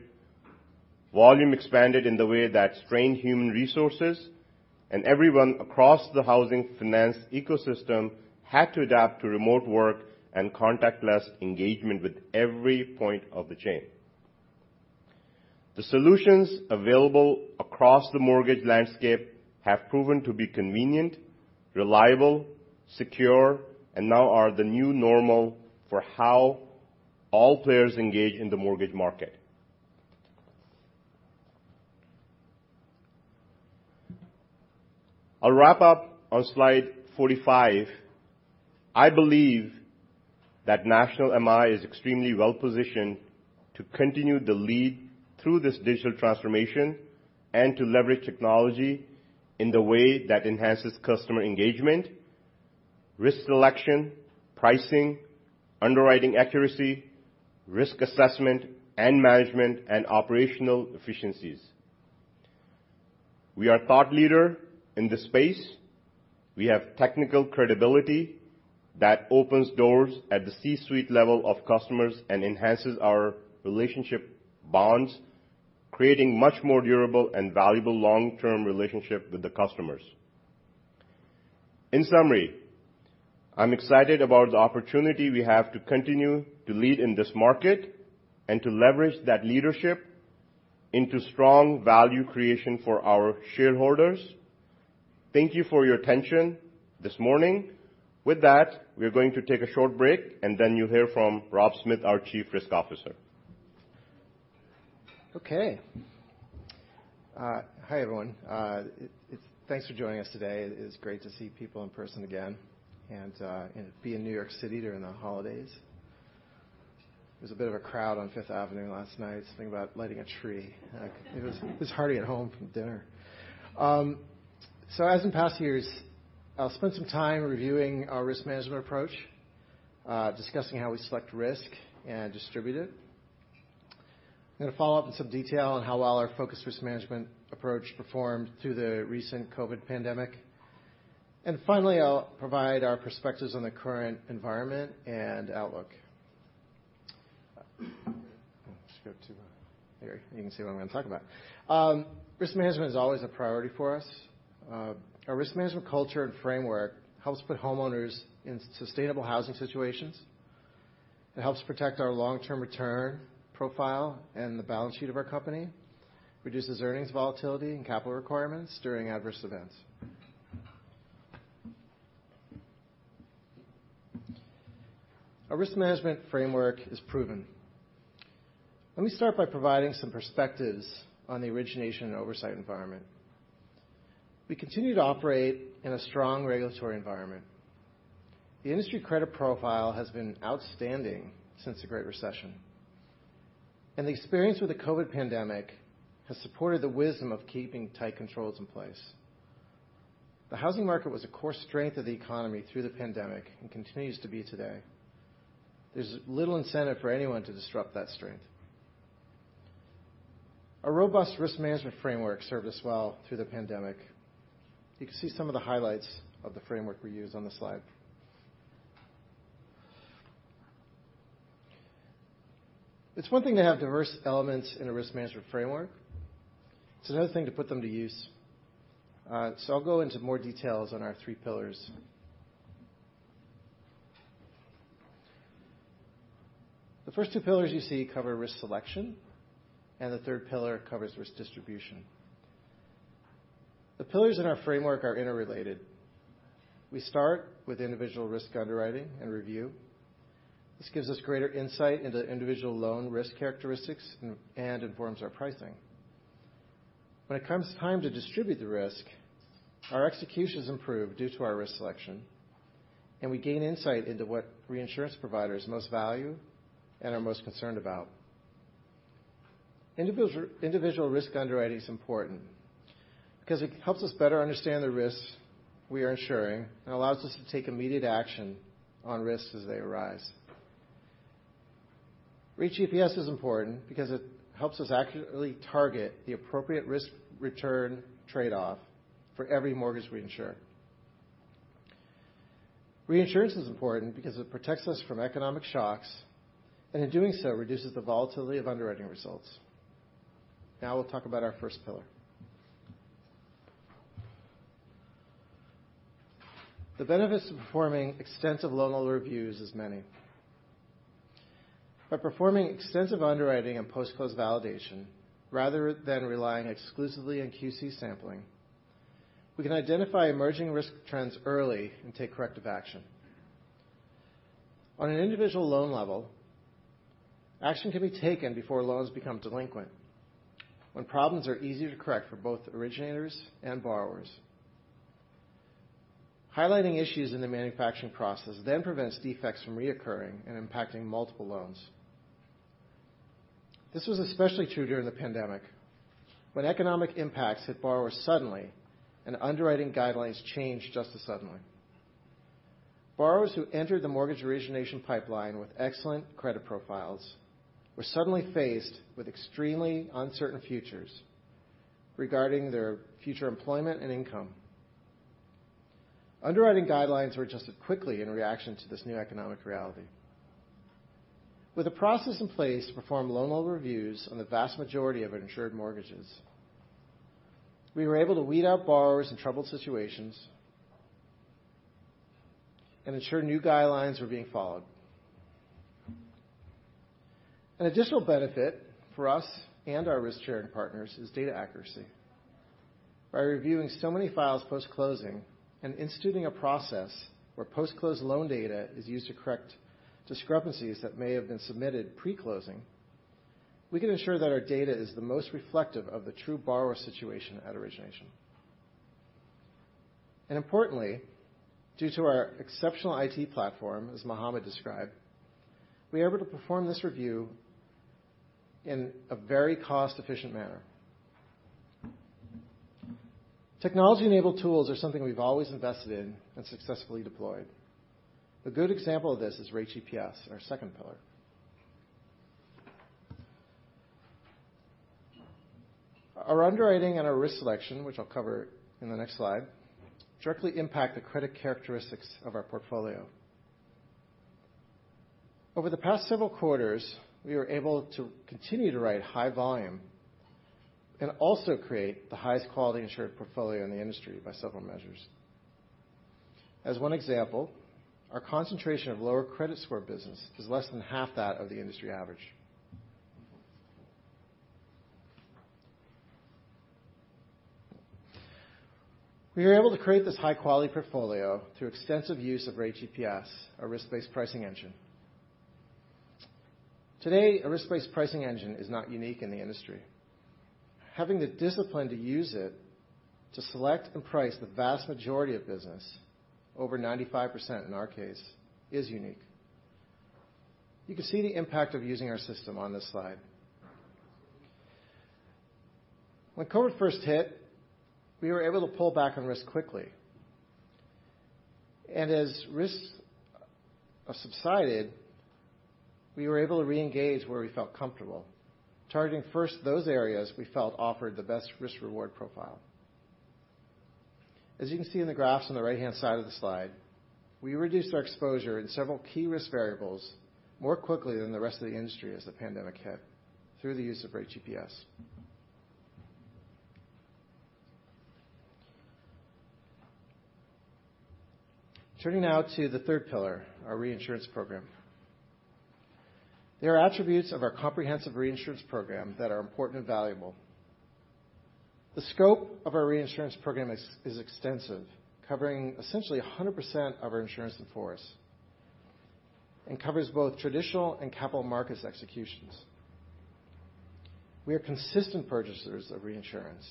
Speaker 5: Volume expanded in the way that strained human resources, and everyone across the housing finance ecosystem had to adapt to remote work and contactless engagement with every point of the chain. The solutions available across the mortgage landscape have proven to be convenient, reliable, secure, and now are the new normal for how all players engage in the mortgage market. I'll wrap up on slide 45. I believe that National MI is extremely well-positioned to continue to lead through this digital transformation and to leverage technology in the way that enhances customer engagement, risk selection, pricing, underwriting accuracy, risk assessment and management, and operational efficiencies. We are thought leader in this space. We have technical credibility that opens doors at the C-suite level of customers and enhances our relationship bonds, creating much more durable and valuable long-term relationship with the customers. In summary, I'm excited about the opportunity we have to continue to lead in this market and to leverage that leadership into strong value creation for our shareholders. Thank you for your attention this morning. With that, we're going to take a short break, and then you'll hear from Rob Smith, our Chief Risk Officer.
Speaker 6: Okay. Hi, everyone. Thanks for joining us today. It is great to see people in person again and be in New York City during the holidays. There was a bit of a crowd on Fifth Avenue last night, something about lighting a tree. It was hard to get home from dinner. So as in past years, I'll spend some time reviewing our risk management approach, discussing how we select risk and distribute it. I'm gonna follow up in some detail on how well our focused risk management approach performed through the recent COVID pandemic. Finally, I'll provide our perspectives on the current environment and outlook. I'll just go there, you can see what I'm gonna talk about. Risk management is always a priority for us. Our risk management culture and framework helps put homeowners in sustainable housing situations. It helps protect our long-term return profile and the balance sheet of our company, reduces earnings volatility and capital requirements during adverse events. Our risk management framework is proven. Let me start by providing some perspectives on the origination and oversight environment. We continue to operate in a strong regulatory environment. The industry credit profile has been outstanding since the Great Recession. The experience with the COVID pandemic has supported the wisdom of keeping tight controls in place. The housing market was a core strength of the economy through the pandemic and continues to be today. There's little incentive for anyone to disrupt that strength. A robust risk management framework served us well through the pandemic. You can see some of the highlights of the framework we use on the slide. It's one thing to have diverse elements in a risk management framework. It's another thing to put them to use. I'll go into more details on our three pillars. The first two pillars you see cover risk selection, and the third pillar covers risk distribution. The pillars in our framework are interrelated. We start with individual risk underwriting and review. This gives us greater insight into individual loan risk characteristics and informs our pricing. When it comes time to distribute the risk, our execution's improved due to our risk selection, and we gain insight into what reinsurance providers most value and are most concerned about. Individual risk underwriting is important because it helps us better understand the risks we are insuring and allows us to take immediate action on risks as they arise. Rate GPS is important because it helps us accurately target the appropriate risk-return trade-off for every mortgage we insure. Reinsurance is important because it protects us from economic shocks, and in doing so, reduces the volatility of underwriting results. Now we'll talk about our first pillar. The benefits of performing extensive loan level reviews is many. By performing extensive underwriting and post-close validation rather than relying exclusively on QC sampling, we can identify emerging risk trends early and take corrective action. On an individual loan level, action can be taken before loans become delinquent, when problems are easier to correct for both originators and borrowers. Highlighting issues in the manufacturing process then prevents defects from recurring and impacting multiple loans. This was especially true during the pandemic, when economic impacts hit borrowers suddenly and underwriting guidelines changed just as suddenly. Borrowers who entered the mortgage origination pipeline with excellent credit profiles were suddenly faced with extremely uncertain futures regarding their future employment and income. Underwriting guidelines were adjusted quickly in reaction to this new economic reality. With a process in place to perform loan level reviews on the vast majority of insured mortgages, we were able to weed out borrowers in troubled situations and ensure new guidelines were being followed. An additional benefit for us and our risk-sharing partners is data accuracy. By reviewing so many files post-closing and instituting a process where post-close loan data is used to correct discrepancies that may have been submitted pre-closing, we can ensure that our data is the most reflective of the true borrower situation at origination. Importantly, due to our exceptional IT platform, as Mohammad described, we're able to perform this review in a very cost-efficient manner. Technology-enabled tools are something we've always invested in and successfully deployed. A good example of this is Rate GPS, our second pillar. Our underwriting and our risk selection, which I'll cover in the next slide, directly impact the credit characteristics of our portfolio. Over the past several quarters, we were able to continue to write high volume and also create the highest quality insured portfolio in the industry by several measures. As one example, our concentration of lower credit score business is less than half that of the industry average. We are able to create this high-quality portfolio through extensive use of Rate GPS, our risk-based pricing engine. Today, a risk-based pricing engine is not unique in the industry. Having the discipline to use it to select and price the vast majority of business, over 95% in our case, is unique. You can see the impact of using our system on this slide. When COVID first hit, we were able to pull back on risk quickly. As risks subsided, we were able to reengage where we felt comfortable, targeting first those areas we felt offered the best risk-reward profile. As you can see in the graphs on the right-hand side of the slide, we reduced our exposure in several key risk variables more quickly than the rest of the industry as the pandemic hit through the use of Rate GPS. Turning now to the third pillar, our reinsurance program. There are attributes of our comprehensive reinsurance program that are important and valuable. The scope of our reinsurance program is extensive, covering essentially 100% of our insurance in force, and covers both traditional and capital markets executions. We are consistent purchasers of reinsurance,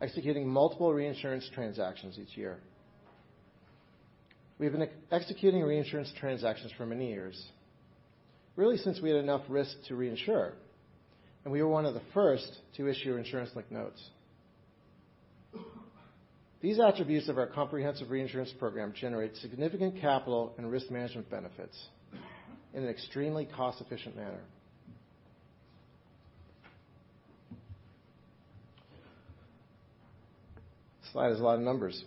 Speaker 6: executing multiple reinsurance transactions each year. We've been executing reinsurance transactions for many years, really since we had enough risk to reinsure, and we were one of the first to issue Insurance-Linked-Notes. These attributes of our comprehensive reinsurance program generate significant capital and risk management benefits in an extremely cost-efficient manner. This slide has a lot of numbers.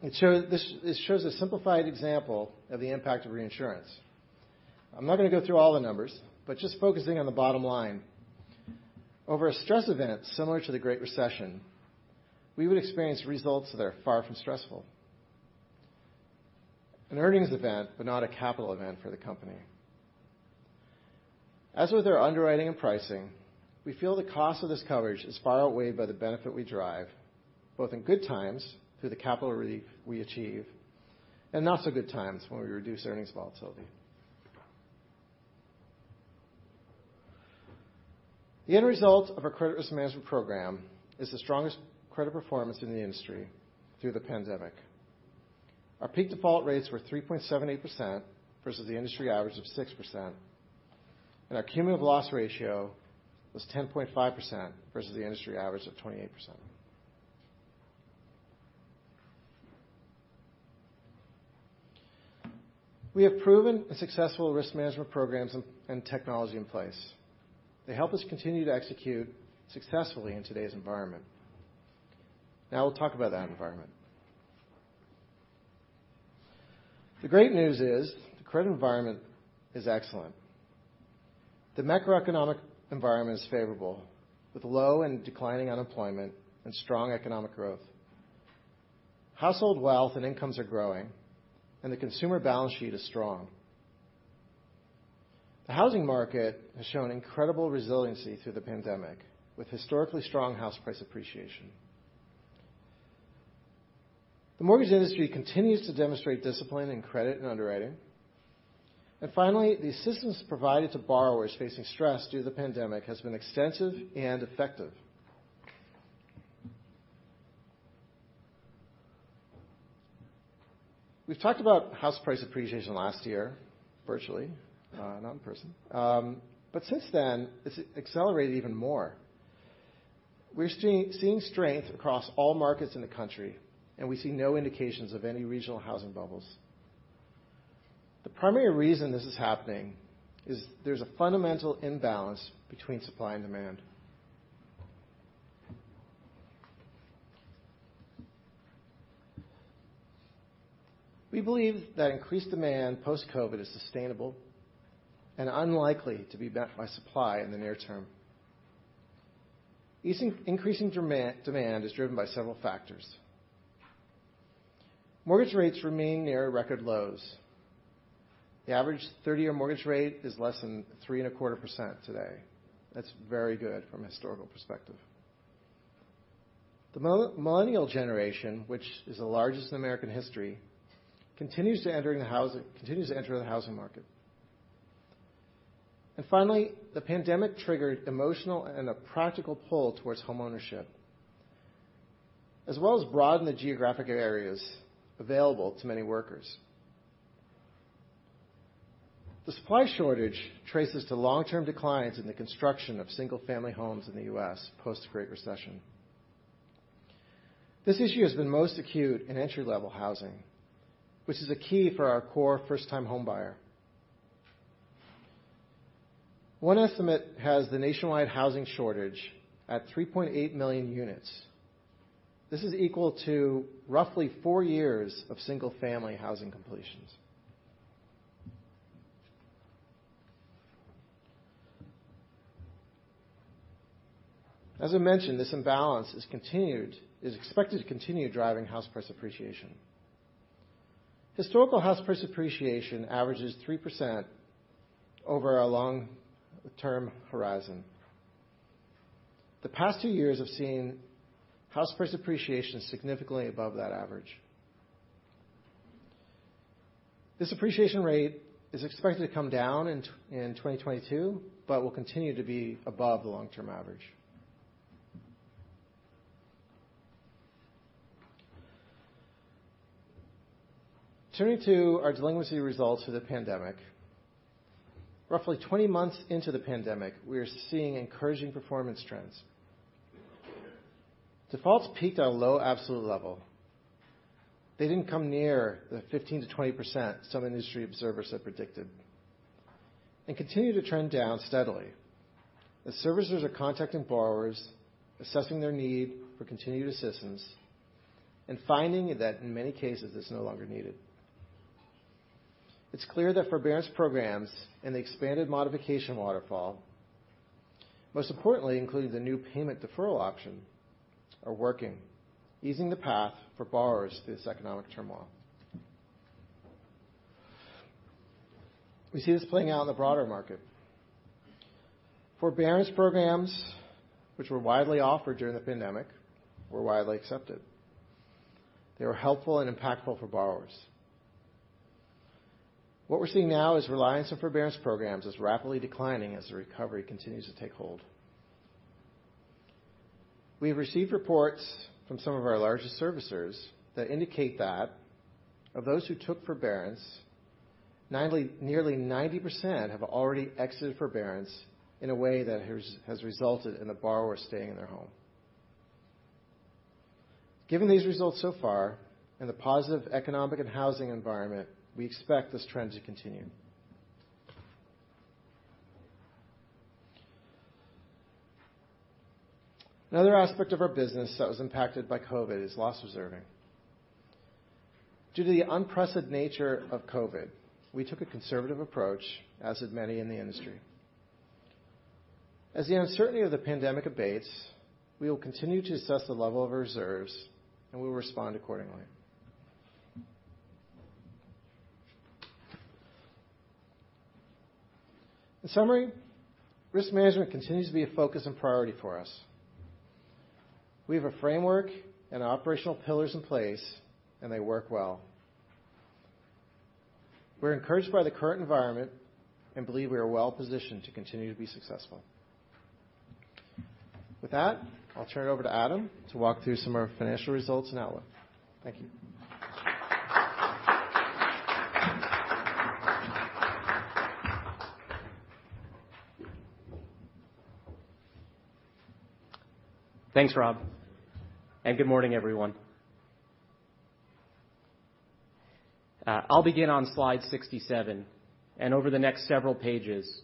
Speaker 6: This shows a simplified example of the impact of reinsurance. I'm not gonna go through all the numbers, but just focusing on the bottom line. Over a stress event similar to the Great Recession, we would experience results that are far from stressful, an earnings event, but not a capital event for the company. As with our underwriting and pricing, we feel the cost of this coverage is far outweighed by the benefit we drive, both in good times through the capital relief we achieve, and not so good times when we reduce earnings volatility. The end result of our credit risk management program is the strongest credit performance in the industry through the pandemic. Our peak default rates were 3.78% versus the industry average of 6%, and our cumulative loss ratio was 10.5% versus the industry average of 28%. We have proven and successful risk management programs and technology in place. They help us continue to execute successfully in today's environment. Now we'll talk about that environment. The great news is the credit environment is excellent. The macroeconomic environment is favorable, with low and declining unemployment and strong economic growth. Household wealth and incomes are growing, and the consumer balance sheet is strong. The housing market has shown incredible resiliency through the pandemic with historically strong house price appreciation. The mortgage industry continues to demonstrate discipline in credit and underwriting. Finally, the assistance provided to borrowers facing stress due to the pandemic has been extensive and effective. We've talked about house price appreciation last year, virtually, not in person. Since then, it's accelerated even more. We're seeing strength across all markets in the country, and we see no indications of any regional housing bubbles. The primary reason this is happening is there's a fundamental imbalance between supply and demand. We believe that increased demand post-COVID is sustainable and unlikely to be met by supply in the near term. Increasing demand is driven by several factors. Mortgage rates remain near record lows. The average 30-year mortgage rate is less than 3.25% today. That's very good from a historical perspective. The millennial generation, which is the largest in American history, continues to enter the housing market. Finally, the pandemic triggered emotional and a practical pull towards homeownership, as well as broadened the geographic areas available to many workers. The supply shortage traces to long-term declines in the construction of single-family homes in the U.S. post the Great Recession. This issue has been most acute in entry-level housing, which is a key for our core first-time home buyer. One estimate has the nationwide housing shortage at 3.8 million units. This is equal to roughly four years of single-family housing completions. As I mentioned, this imbalance is expected to continue driving house price appreciation. Historical house price appreciation averages 3% over a long-term horizon. The past two years have seen house price appreciation significantly above that average. This appreciation rate is expected to come down in 2022, but will continue to be above the long-term average. Turning to our delinquency results for the pandemic. Roughly 20 months into the pandemic, we are seeing encouraging performance trends. Defaults peaked at a low absolute level. They didn't come near the 15%-20% some industry observers had predicted, and continue to trend down steadily. The servicers are contacting borrowers, assessing their need for continued assistance, and finding that in many cases it's no longer needed. It's clear that forbearance programs and the expanded modification waterfall, most importantly, including the new payment deferral option, are working, easing the path for borrowers through this economic turmoil. We see this playing out in the broader market. Forbearance programs, which were widely offered during the pandemic, were widely accepted. They were helpful and impactful for borrowers. What we're seeing now is reliance on forbearance programs is rapidly declining as the recovery continues to take hold. We have received reports from some of our largest servicers that indicate that of those who took forbearance, nearly 90% have already exited forbearance in a way that has resulted in the borrower staying in their home. Given these results so far and the positive economic and housing environment, we expect this trend to continue. Another aspect of our business that was impacted by COVID is loss reserving. Due to the unprecedented nature of COVID, we took a conservative approach, as did many in the industry. As the uncertainty of the pandemic abates, we will continue to assess the level of reserves, and we will respond accordingly. In summary, risk management continues to be a focus and priority for us. We have a framework and operational pillars in place, and they work well. We're encouraged by the current environment and believe we are well-positioned to continue to be successful. With that, I'll turn it over to Adam to walk through some of our financial results and outlook. Thank you.
Speaker 7: Thanks, Rob, and good morning, everyone. I'll begin on slide 67, and over the next several pages,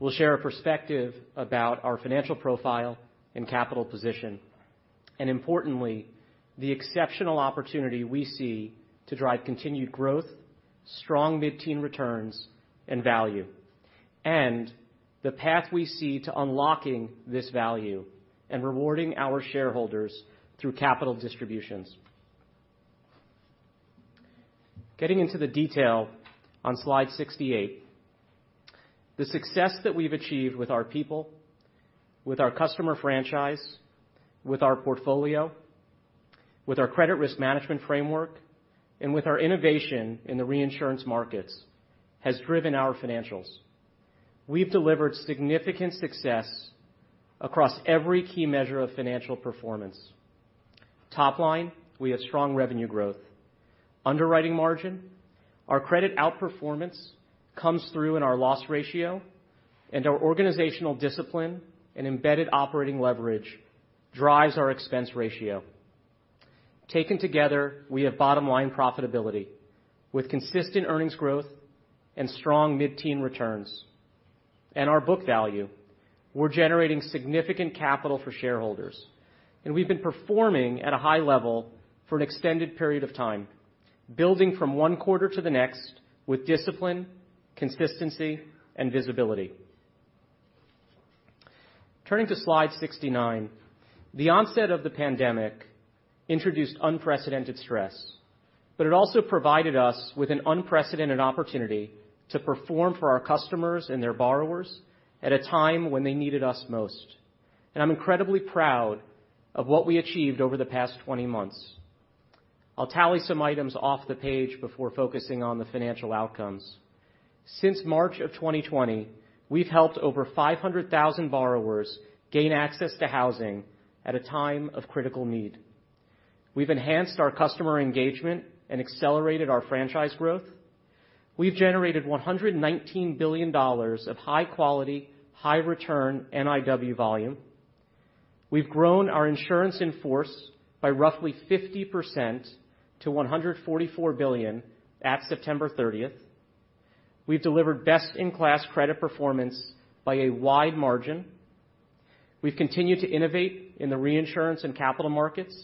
Speaker 7: we'll share a perspective about our financial profile and capital position, and importantly, the exceptional opportunity we see to drive continued growth, strong mid-teen returns, and value. The path we see to unlocking this value and rewarding our shareholders through capital distributions. Getting into the detail on slide 68, the success that we've achieved with our people, with our customer franchise, with our portfolio, with our credit risk management framework, and with our innovation in the reinsurance markets, has driven our financials. We've delivered significant success across every key measure of financial performance. Top line, we have strong revenue growth. Underwriting margin, our credit outperformance comes through in our loss ratio and our organizational discipline and embedded operating leverage drives our expense ratio. Taken together, we have bottom-line profitability with consistent earnings growth and strong mid-teen returns. Our book value, we're generating significant capital for shareholders, and we've been performing at a high level for an extended period of time, building from one quarter to the next with discipline, consistency, and visibility. Turning to slide 69, the onset of the pandemic introduced unprecedented stress, but it also provided us with an unprecedented opportunity to perform for our customers and their borrowers at a time when they needed us most. I'm incredibly proud of what we achieved over the past 20 months. I'll tally some items off the page before focusing on the financial outcomes. Since March 2020, we've helped over 500,000 borrowers gain access to housing at a time of critical need. We've enhanced our customer engagement and accelerated our franchise growth. We've generated $119 billion of high quality, high return NIW volume. We've grown our insurance in force by roughly 50% to $144 billion at September 30th. We've delivered best-in-class credit performance by a wide margin. We've continued to innovate in the reinsurance and capital markets,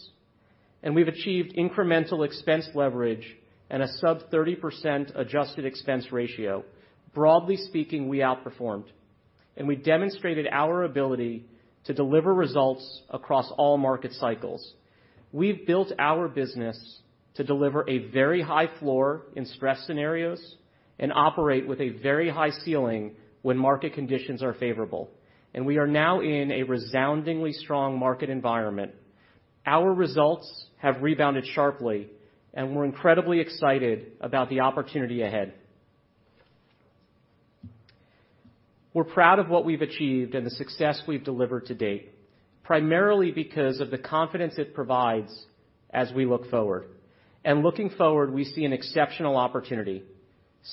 Speaker 7: and we've achieved incremental expense leverage and a sub 30% adjusted expense ratio. Broadly speaking, we outperformed, and we demonstrated our ability to deliver results across all market cycles. We've built our business to deliver a very high floor in stress scenarios and operate with a very high ceiling when market conditions are favorable. We are now in a resoundingly strong market environment. Our results have rebounded sharply, and we're incredibly excited about the opportunity ahead. We're proud of what we've achieved and the success we've delivered to date, primarily because of the confidence it provides as we look forward. Looking forward, we see an exceptional opportunity.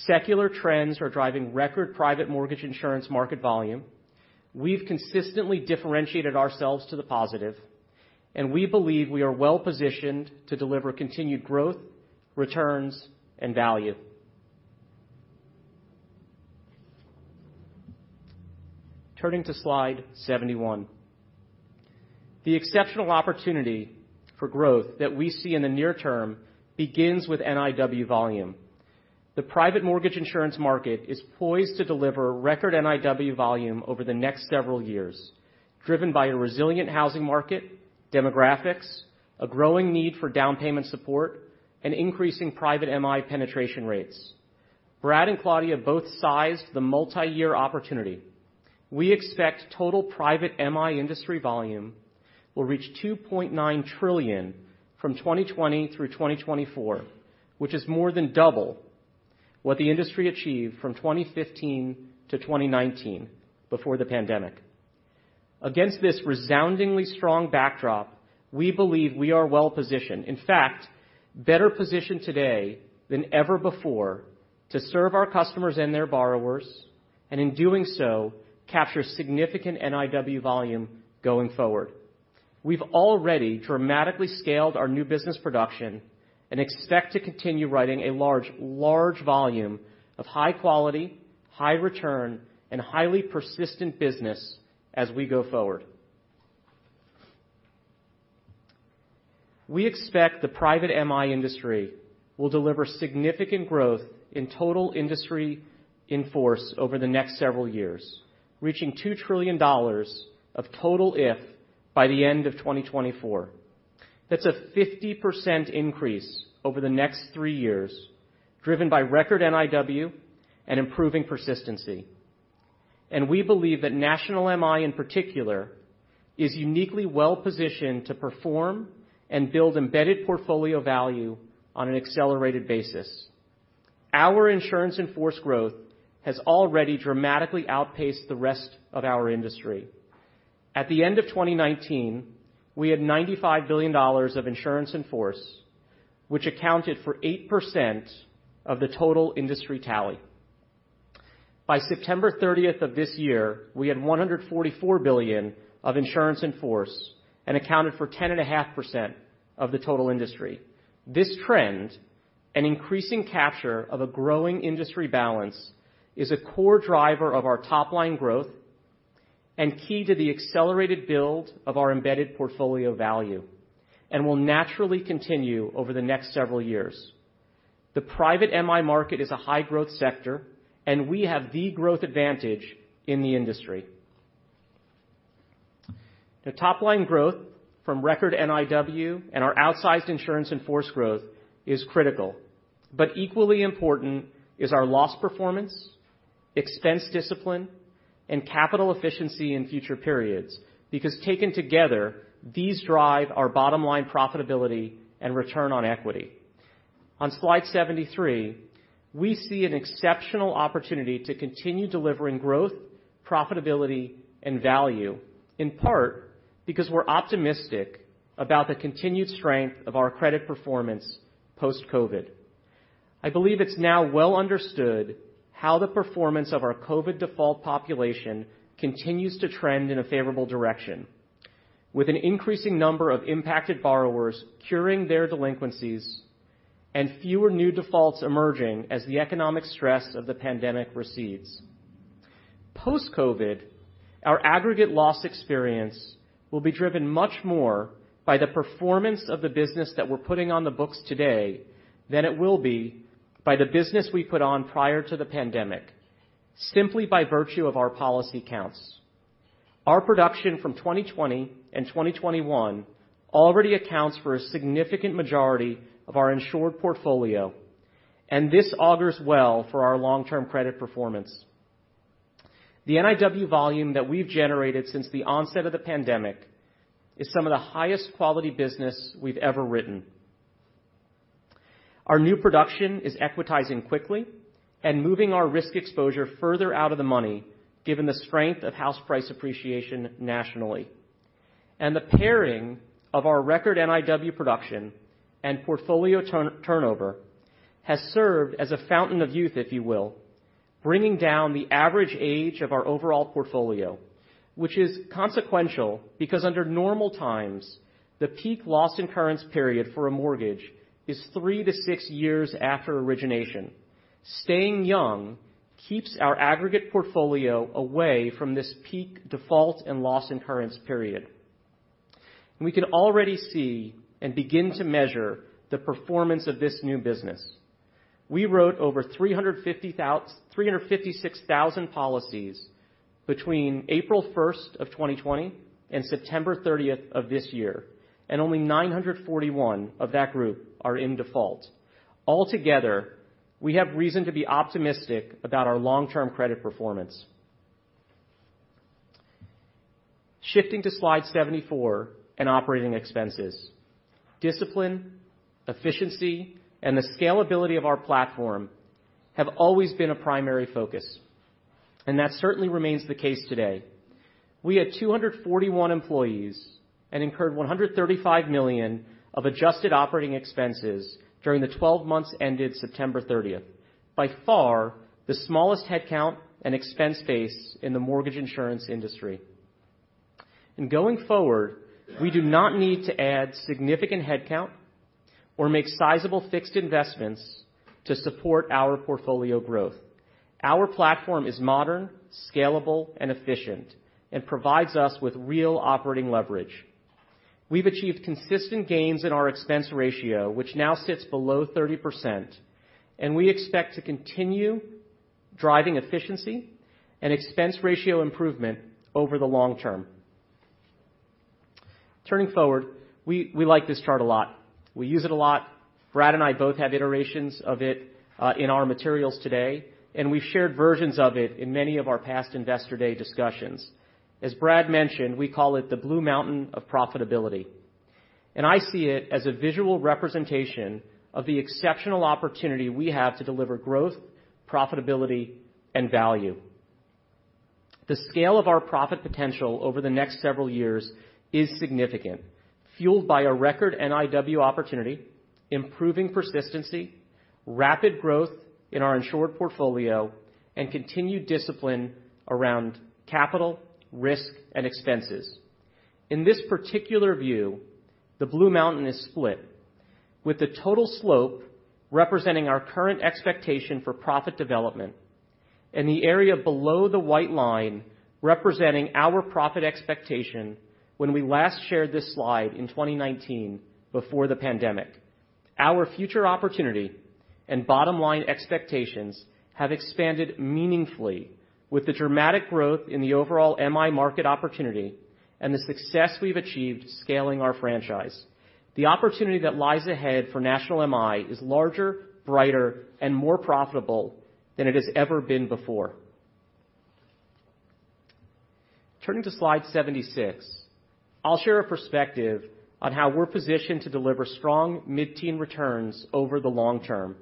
Speaker 7: Secular trends are driving record private mortgage insurance market volume. We've consistently differentiated ourselves to the positive, and we believe we are well-positioned to deliver continued growth, returns, and value. Turning to slide 71. The exceptional opportunity for growth that we see in the near term begins with NIW volume. The private mortgage insurance market is poised to deliver record NIW volume over the next several years, driven by a resilient housing market, demographics, a growing need for down payment support, and increasing private MI penetration rates. Brad and Claudia both sized the multiyear opportunity. We expect total private MI industry volume will reach $2.9 trillion from 2020 through 2024, which is more than double what the industry achieved from 2015 to 2019 before the pandemic. Against this resoundingly strong backdrop, we believe we are well-positioned, in fact, better positioned today than ever before to serve our customers and their borrowers, and in doing so, capture significant NIW volume going forward. We've already dramatically scaled our new business production and expect to continue writing a large volume of high quality, high return, and highly persistent business as we go forward. We expect the private MI industry will deliver significant growth in total industry in force over the next several years, reaching $2 trillion of total IIF by the end of 2024. That's a 50% increase over the next three years, driven by record NIW and improving persistency. We believe that National MI, in particular, is uniquely well-positioned to perform and build embedded portfolio value on an accelerated basis. Our insurance in force growth has already dramatically outpaced the rest of our industry. At the end of 2019, we had $95 billion of insurance in force, which accounted for 8% of the total industry tally. By September 30th of this year, we had $144 billion of insurance in force and accounted for 10.5% of the total industry. This trend, an increasing capture of a growing industry balance, is a core driver of our top line growth and key to the accelerated build of our embedded portfolio value and will naturally continue over the next several years. The private MI market is a high-growth sector, and we have the growth advantage in the industry. The top line growth from record NIW and our outsized insurance in force growth is critical. Equally important is our loss performance, expense discipline, and capital efficiency in future periods, because taken together, these drive our bottom line profitability and return on equity. On slide 73, we see an exceptional opportunity to continue delivering growth, profitability, and value, in part because we're optimistic about the continued strength of our credit performance post-COVID. I believe it's now well understood how the performance of our COVID default population continues to trend in a favorable direction, with an increasing number of impacted borrowers curing their delinquencies and fewer new defaults emerging as the economic stress of the pandemic recedes. Post-COVID, our aggregate loss experience will be driven much more by the performance of the business that we're putting on the books today than it will be by the business we put on prior to the pandemic, simply by virtue of our policy counts. Our production from 2020 and 2021 already accounts for a significant majority of our insured portfolio, and this augurs well for our long-term credit performance. The NIW volume that we've generated since the onset of the pandemic is some of the highest quality business we've ever written. Our new production is equitizing quickly and moving our risk exposure further out of the money given the strength of house price appreciation nationally. The pairing of our record NIW production and portfolio turnover has served as a fountain of youth, if you will, bringing down the average age of our overall portfolio, which is consequential because under normal times, the peak loss incurrence period for a mortgage is three to six years after origination. Staying young keeps our aggregate portfolio away from this peak default and loss incurrence period. We can already see and begin to measure the performance of this new business. We wrote over 356,000 policies between April 1st, 2020, and September 30th of this year, and only 941 of that group are in default. Altogether, we have reason to be optimistic about our long-term credit performance. Shifting to slide 74 in operating expenses. Discipline, efficiency, and the scalability of our platform have always been a primary focus, and that certainly remains the case today. We had 241 employees and incurred $135 million of adjusted operating expenses during the twelve months ended September 30th. By far, the smallest headcount and expense base in the mortgage insurance industry. Going forward, we do not need to add significant headcount or make sizable fixed investments to support our portfolio growth. Our platform is modern, scalable and efficient, and provides us with real operating leverage. We've achieved consistent gains in our expense ratio, which now sits below 30%, and we expect to continue driving efficiency and expense ratio improvement over the long term. Turning forward, we like this chart a lot. We use it a lot. Brad and I both have iterations of it in our materials today, and we've shared versions of it in many of our past Investor Day discussions. As Brad mentioned, we call it the Blue Mountain of Profitability. I see it as a visual representation of the exceptional opportunity we have to deliver growth, profitability, and value. The scale of our profit potential over the next several years is significant, fueled by a record NIW opportunity, improving persistency, rapid growth in our insured portfolio, and continued discipline around capital, risk, and expenses. In this particular view, the Blue Mountain is split, with the total slope representing our current expectation for profit development and the area below the white line representing our profit expectation when we last shared this slide in 2019 before the pandemic. Our future opportunity and bottom line expectations have expanded meaningfully with the dramatic growth in the overall MI market opportunity and the success we've achieved scaling our franchise. The opportunity that lies ahead for National MI is larger, brighter, and more profitable than it has ever been before. Turning to slide 76, I'll share a perspective on how we're positioned to deliver strong mid-teen returns over the long term.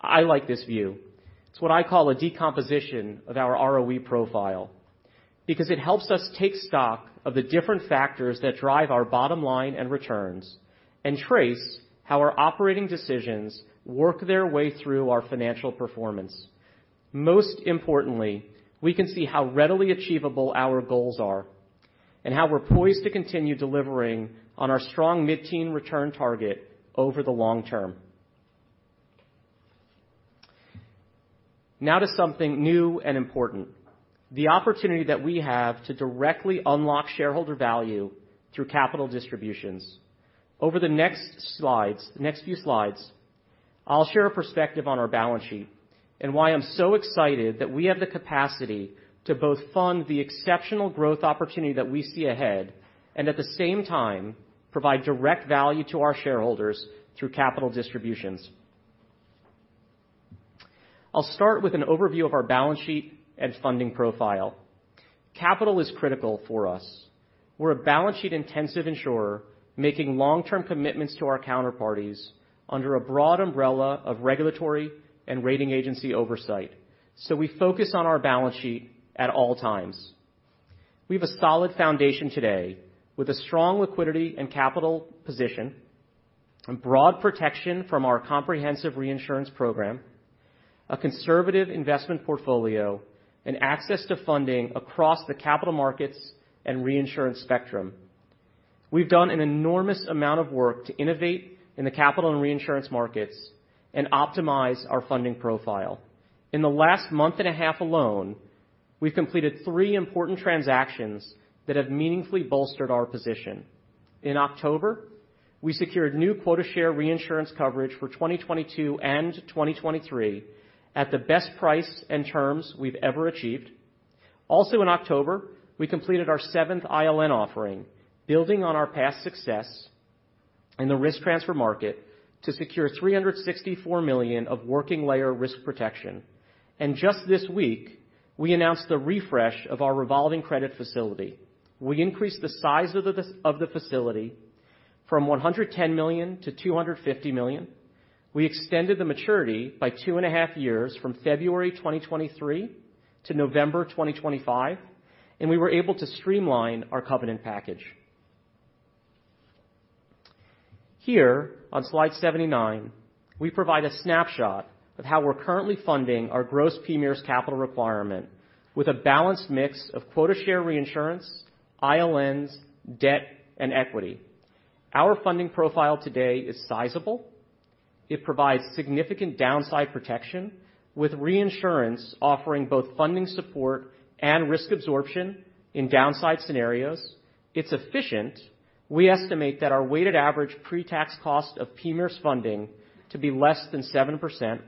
Speaker 7: I like this view. It's what I call a decomposition of our ROE profile, because it helps us take stock of the different factors that drive our bottom line and returns, and trace how our operating decisions work their way through our financial performance. Most importantly, we can see how readily achievable our goals are and how we're poised to continue delivering on our strong mid-teen return target over the long term. Now to something new and important, the opportunity that we have to directly unlock shareholder value through capital distributions. Over the next slides, next few slides, I'll share a perspective on our balance sheet and why I'm so excited that we have the capacity to both fund the exceptional growth opportunity that we see ahead, and at the same time, provide direct value to our shareholders through capital distributions. I'll start with an overview of our balance sheet and funding profile. Capital is critical for us. We're a balance sheet-intensive insurer making long-term commitments to our counterparties under a broad umbrella of regulatory and rating agency oversight. We focus on our balance sheet at all times. We have a solid foundation today with a strong liquidity and capital position and broad protection from our comprehensive reinsurance program, a conservative investment portfolio, and access to funding across the capital markets and reinsurance spectrum. We've done an enormous amount of work to innovate in the capital and reinsurance markets and optimize our funding profile. In the last month and a half alone, we've completed three important transactions that have meaningfully bolstered our position. In October, we secured new quota share reinsurance coverage for 2022 and 2023 at the best price and terms we've ever achieved. Also in October, we completed our seventh ILN offering, building on our past success in the risk transfer market to secure $364 million of working layer risk protection. Just this week, we announced the refresh of our revolving credit facility. We increased the size of the facility from $110 million-$250 million. We extended the maturity by two and a half years from February 2023 to November 2025, and we were able to streamline our covenant package. Here on slide 79, we provide a snapshot of how we're currently funding our gross PMIERs' capital requirement with a balanced mix of quota share reinsurance, ILNs, debt and equity. Our funding profile today is sizable. It provides significant downside protection, with reinsurance offering both funding support and risk absorption in downside scenarios. It's efficient. We estimate that our weighted average pre-tax cost of PMIERs' funding to be less than 7%.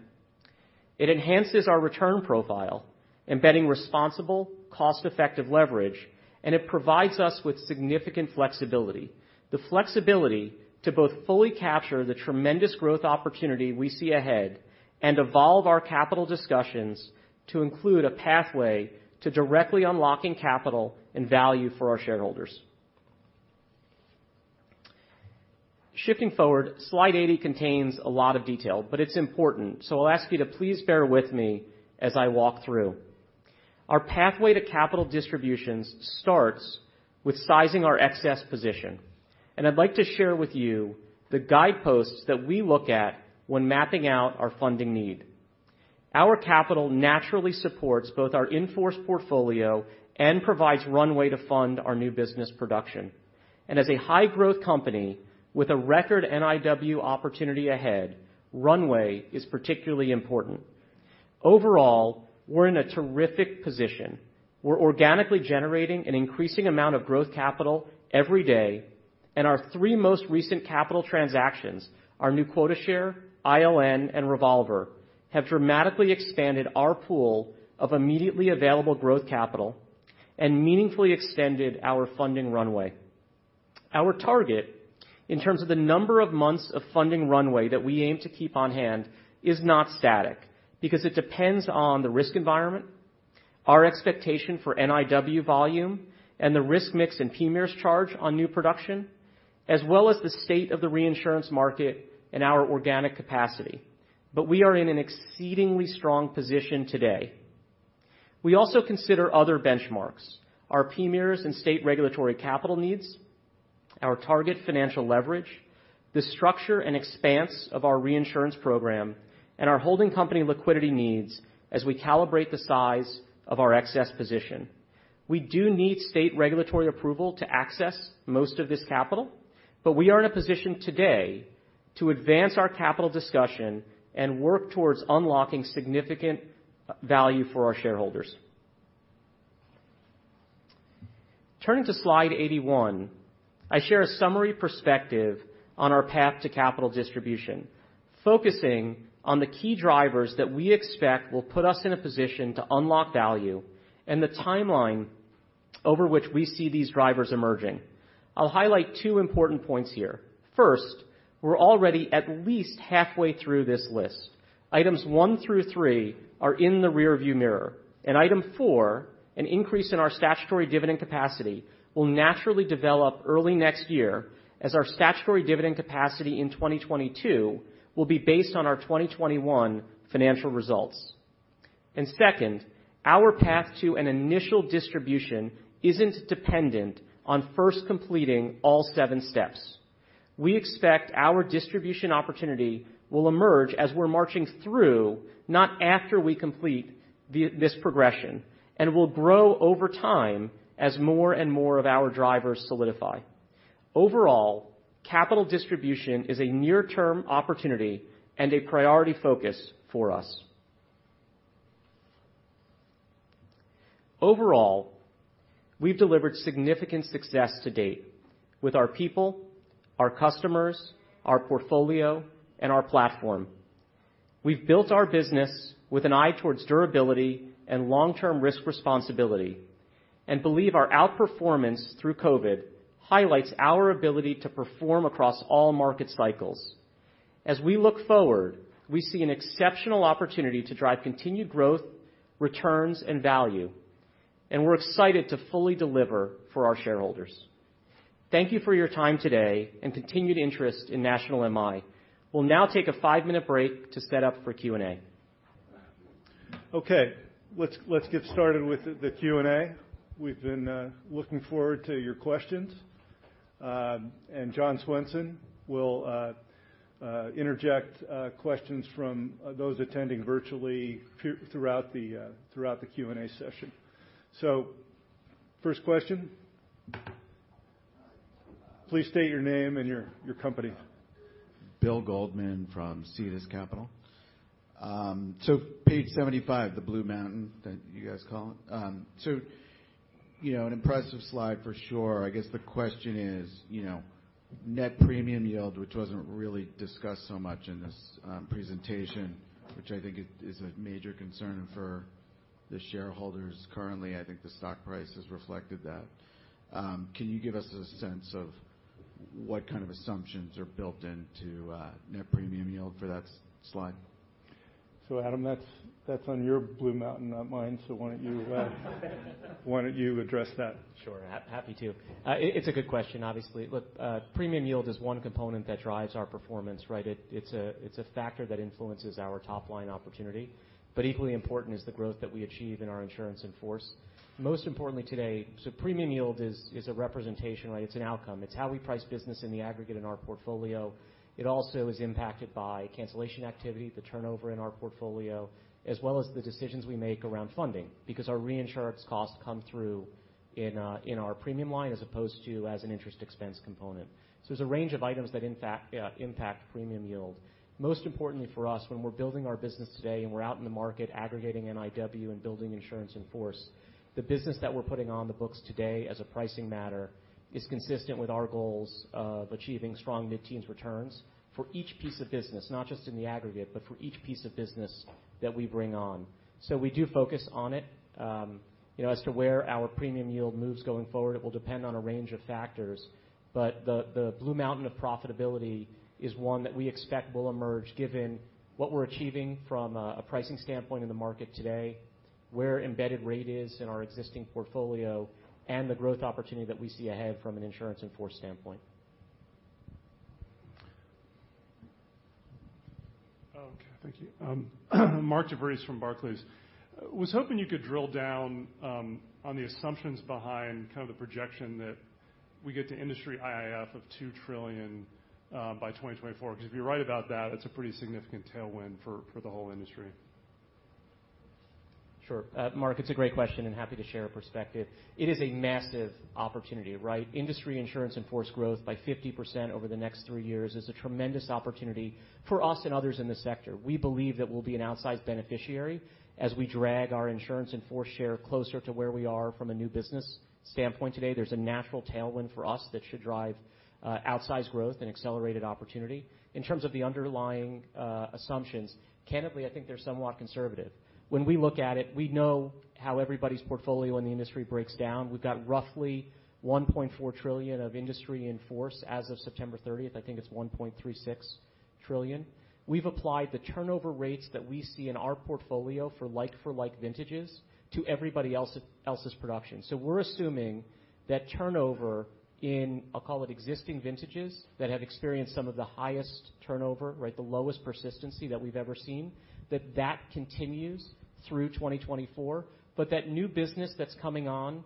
Speaker 7: It enhances our return profile, embedding responsible, cost-effective leverage, and it provides us with significant flexibility. The flexibility to both fully capture the tremendous growth opportunity we see ahead and evolve our capital discussions to include a pathway to directly unlocking capital and value for our shareholders. Shifting forward, slide 80 contains a lot of detail, but it's important, so I'll ask you to please bear with me as I walk through. Our pathway to capital distributions starts with sizing our excess position, and I'd like to share with you the guideposts that we look at when mapping out our funding need. Our capital naturally supports both our in-force portfolio and provides runway to fund our new business production. As a high-growth company with a record NIW opportunity ahead, runway is particularly important. Overall, we're in a terrific position. We're organically generating an increasing amount of growth capital every day. Our three most recent capital transactions, our new quota share, ILN and revolver, have dramatically expanded our pool of immediately available growth capital and meaningfully extended our funding runway. Our target in terms of the number of months of funding runway that we aim to keep on hand is not static because it depends on the risk environment, our expectation for NIW volume and the risk mix in PMIERs charges on new production, as well as the state of the reinsurance market and our organic capacity. We are in an exceedingly strong position today. We also consider other benchmarks, our PMIERs and state regulatory capital needs, our target financial leverage, the structure and expanse of our reinsurance program, and our holding company liquidity needs as we calibrate the size of our excess position. We do need state regulatory approval to access most of this capital, but we are in a position today to advance our capital discussion and work towards unlocking significant value for our shareholders. Turning to slide 81, I share a summary perspective on our path to capital distribution, focusing on the key drivers that we expect will put us in a position to unlock value and the timeline over which we see these drivers emerging. I'll highlight two important points here. First, we're already at least halfway through this list. Items one through three are in the rearview mirror. Item four, an increase in our statutory dividend capacity, will naturally develop early next year as our statutory dividend capacity in 2022 will be based on our 2021 financial results. Second, our path to an initial distribution isn't dependent on first completing all seven steps. We expect our distribution opportunity will emerge as we're marching through, not after we complete this progression, and will grow over time as more and more of our drivers solidify. Overall, capital distribution is a near-term opportunity and a priority focus for us. Overall, we've delivered significant success to date with our people, our customers, our portfolio and our platform. We've built our business with an eye towards durability and long-term risk responsibility and believe our outperformance through COVID highlights our ability to perform across all market cycles. As we look forward, we see an exceptional opportunity to drive continued growth, returns and value, and we're excited to fully deliver for our shareholders. Thank you for your time today and continued interest in National MI. We'll now take a five-minute break to set up for Q&A.
Speaker 2: Okay, let's get started with the Q&A. We've been looking forward to your questions. John Swenson will interject questions from those attending virtually throughout the Q&A session. First question. Please state your name and your company.
Speaker 8: Bill Goldman from Cetus Capital. So page 75, the blue mountain that you guys call it. So you know, an impressive slide for sure. I guess the question is, you know, net premium yield, which wasn't really discussed so much in this presentation, which I think is a major concern for the shareholders currently. I think the stock price has reflected that. Can you give us a sense of what kind of assumptions are built into net premium yield for that slide?
Speaker 2: Adam, that's on your Blue Mountain, not mine. Why don't you address that?
Speaker 7: Sure. Happy to. It's a good question, obviously. Look, premium yield is one component that drives our performance, right? It's a factor that influences our top line opportunity. Equally important is the growth that we achieve in our insurance in force. Most importantly today, premium yield is a representation, right? It's an outcome. It's how we price business in the aggregate in our portfolio. It also is impacted by cancellation activity, the turnover in our portfolio, as well as the decisions we make around funding because our reinsurance costs come through in our premium line as opposed to as an interest expense component. There's a range of items that in fact impact premium yield. Most importantly for us, when we're building our business today and we're out in the market aggregating NIW and building insurance in force, the business that we're putting on the books today as a pricing matter is consistent with our goals of achieving strong mid-teens returns for each piece of business, not just in the aggregate, but for each piece of business that we bring on. We do focus on it. You know, as to where our premium yield moves going forward, it will depend on a range of factors, but the Blue Mountain of Profitability is one that we expect will emerge given what we're achieving from a pricing standpoint in the market today, where embedded rate is in our existing portfolio, and the growth opportunity that we see ahead from an insurance in force standpoint.
Speaker 9: Okay. Thank you. Mark DeVries from Barclays. I was hoping you could drill down on the assumptions behind kind of the projection that we get to industry IIF of $2 trillion by 2024, because if you're right about that, it's a pretty significant tailwind for the whole industry.
Speaker 7: Sure. Mark, it's a great question and happy to share a perspective. It is a massive opportunity, right? Industry insurance in force growth by 50% over the next three years is a tremendous opportunity for us and others in the sector. We believe that we'll be an outsized beneficiary as we drag our insurance in force share closer to where we are from a new business standpoint today. There's a natural tailwind for us that should drive outsized growth and accelerated opportunity. In terms of the underlying assumptions, candidly, I think they're somewhat conservative. When we look at it, we know how everybody's portfolio in the industry breaks down. We've got roughly $1.4 trillion of industry in force as of September 30th. I think it's $1.36 trillion. We've applied the turnover rates that we see in our portfolio for like-for-like vintages to everybody else's production. We're assuming that turnover in, I'll call it, existing vintages that have experienced some of the highest turnover, right, the lowest persistency that we've ever seen continues through 2024. But that new business that's coming on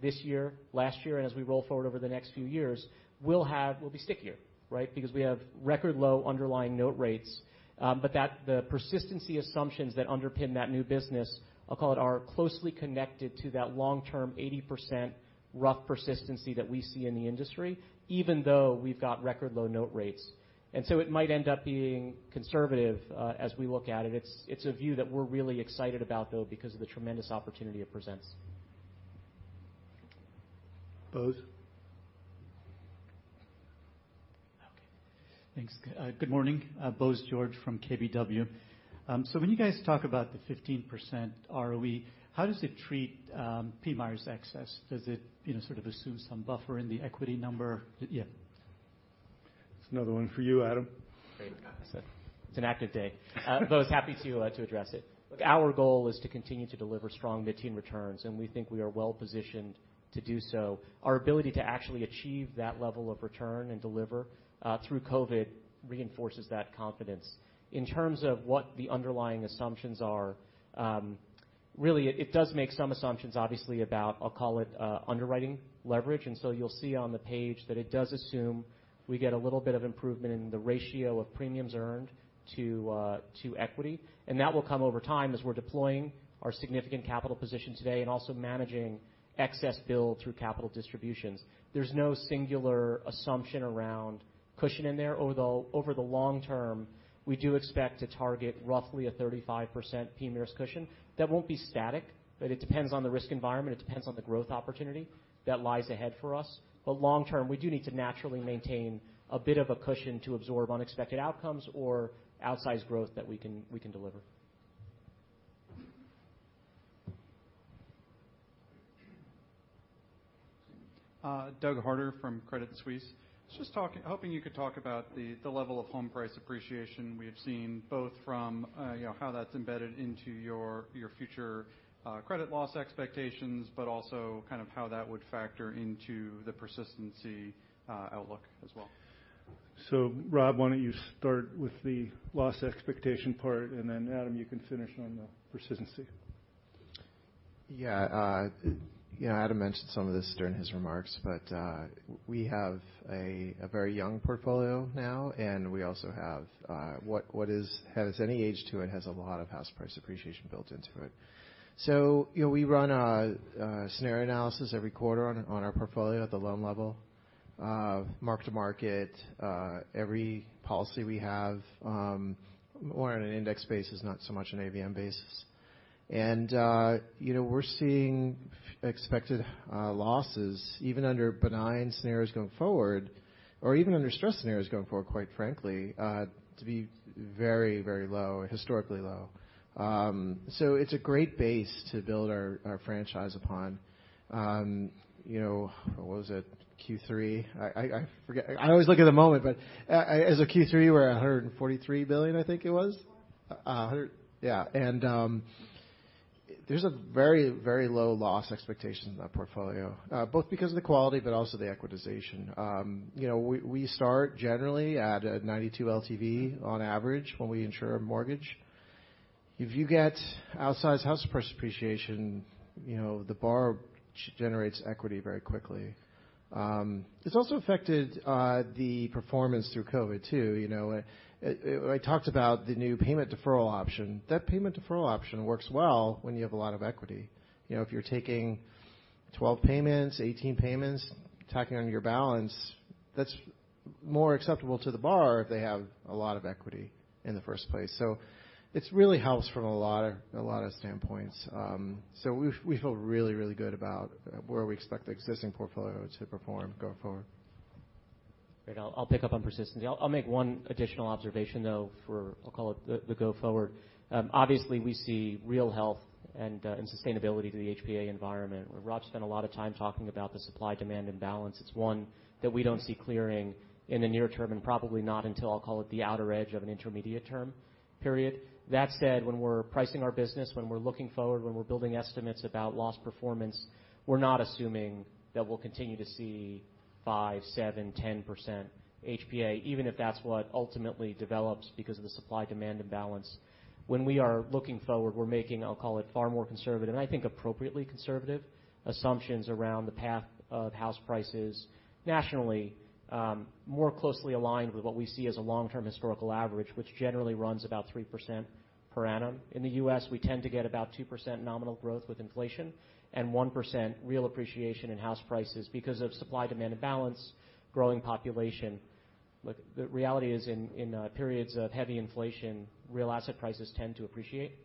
Speaker 7: this year, last year, and as we roll forward over the next few years will be stickier, right? Because we have record low underlying note rates. But the persistency assumptions that underpin that new business, I'll call it, are closely connected to that long-term 80% rough persistency that we see in the industry, even though we've got record low note rates. It might end up being conservative, as we look at it. It's a view that we're really excited about though because of the tremendous opportunity it presents.
Speaker 2: Bose.
Speaker 10: Okay. Thanks. Good morning. Bose George from KBW. So when you guys talk about the 15% ROE, how does it treat PMIERs' excess? Does it, you know, sort of assume some buffer in the equity number? Yeah.
Speaker 2: It's another one for you, Adam.
Speaker 7: Great. It's an active day. Bose, happy to address it. Our goal is to continue to deliver strong mid-teen returns, and we think we are well positioned to do so. Our ability to actually achieve that level of return and deliver through COVID reinforces that confidence. In terms of what the underlying assumptions are, really, it does make some assumptions obviously about, I'll call it, underwriting leverage. You'll see on the page that it does assume we get a little bit of improvement in the ratio of premiums earned to equity. That will come over time as we're deploying our significant capital position today and also managing excess build through capital distributions. There's no singular assumption around cushion in there. Over the long term, we do expect to target roughly a 35% PMIERs cushion. That won't be static, but it depends on the risk environment. It depends on the growth opportunity that lies ahead for us. Long term, we do need to naturally maintain a bit of a cushion to absorb unexpected outcomes or outsized growth that we can deliver.
Speaker 11: Doug Harter from Credit Suisse. I was just hoping you could talk about the level of home price appreciation we have seen, both from, you know, how that's embedded into your future credit loss expectations, but also kind of how that would factor into the persistency outlook as well.
Speaker 2: Rob, why don't you start with the loss expectation part, and then Adam, you can finish on the persistency.
Speaker 6: Yeah, you know, Adam mentioned some of this during his remarks, but we have a very young portfolio now, and we also have what has any age to it has a lot of house price appreciation built into it. You know, we run a scenario analysis every quarter on our portfolio at the loan level of mark to market every policy we have, more on an index basis, not so much an AVM basis. You know, we're seeing expected losses even under benign scenarios going forward or even under stress scenarios going forward, quite frankly, to be very, very low, historically low. So it's a great base to build our franchise upon. You know, what was it? Q3. I forget. I always look at the moment, but as of Q3 we're at $143 billion, I think it was. There's a very, very low loss expectation in that portfolio, both because of the quality but also the equitization. You know, we start generally at 92 LTV on average when we insure a mortgage. If you get outsized house price appreciation, you know, the borrower generates equity very quickly. It's also affected the performance through COVID too, you know. I talked about the new payment deferral option. That payment deferral option works well when you have a lot of equity. You know, if you're taking 12 payments, 18 payments tacking on your balance, that's more acceptable to the borrower if they have a lot of equity in the first place. It really helps from a lot of standpoints. We feel really good about where we expect the existing portfolio to perform going forward.
Speaker 7: Great. I'll pick up on persistency. I'll make one additional observation, though, for I'll call it the go forward. Obviously, we see real health and sustainability to the HPA environment. Raj spent a lot of time talking about the supply-demand imbalance. It's one that we don't see clearing in the near term, and probably not until I'll call it the outer edge of an intermediate term period. That said, when we're pricing our business, when we're looking forward, when we're building estimates about loss performance, we're not assuming that we'll continue to see 5%, 7%, 10% HPA, even if that's what ultimately develops because of the supply-demand imbalance. When we are looking forward, we're making, I'll call it far more conservative, and I think appropriately conservative assumptions around the path of house prices nationally, more closely aligned with what we see as a long-term historical average, which generally runs about 3% per annum. In the U.S., we tend to get about 2% nominal growth with inflation and 1% real appreciation in house prices because of supply-demand imbalance, growing population. Look, the reality is in periods of heavy inflation, real asset prices tend to appreciate.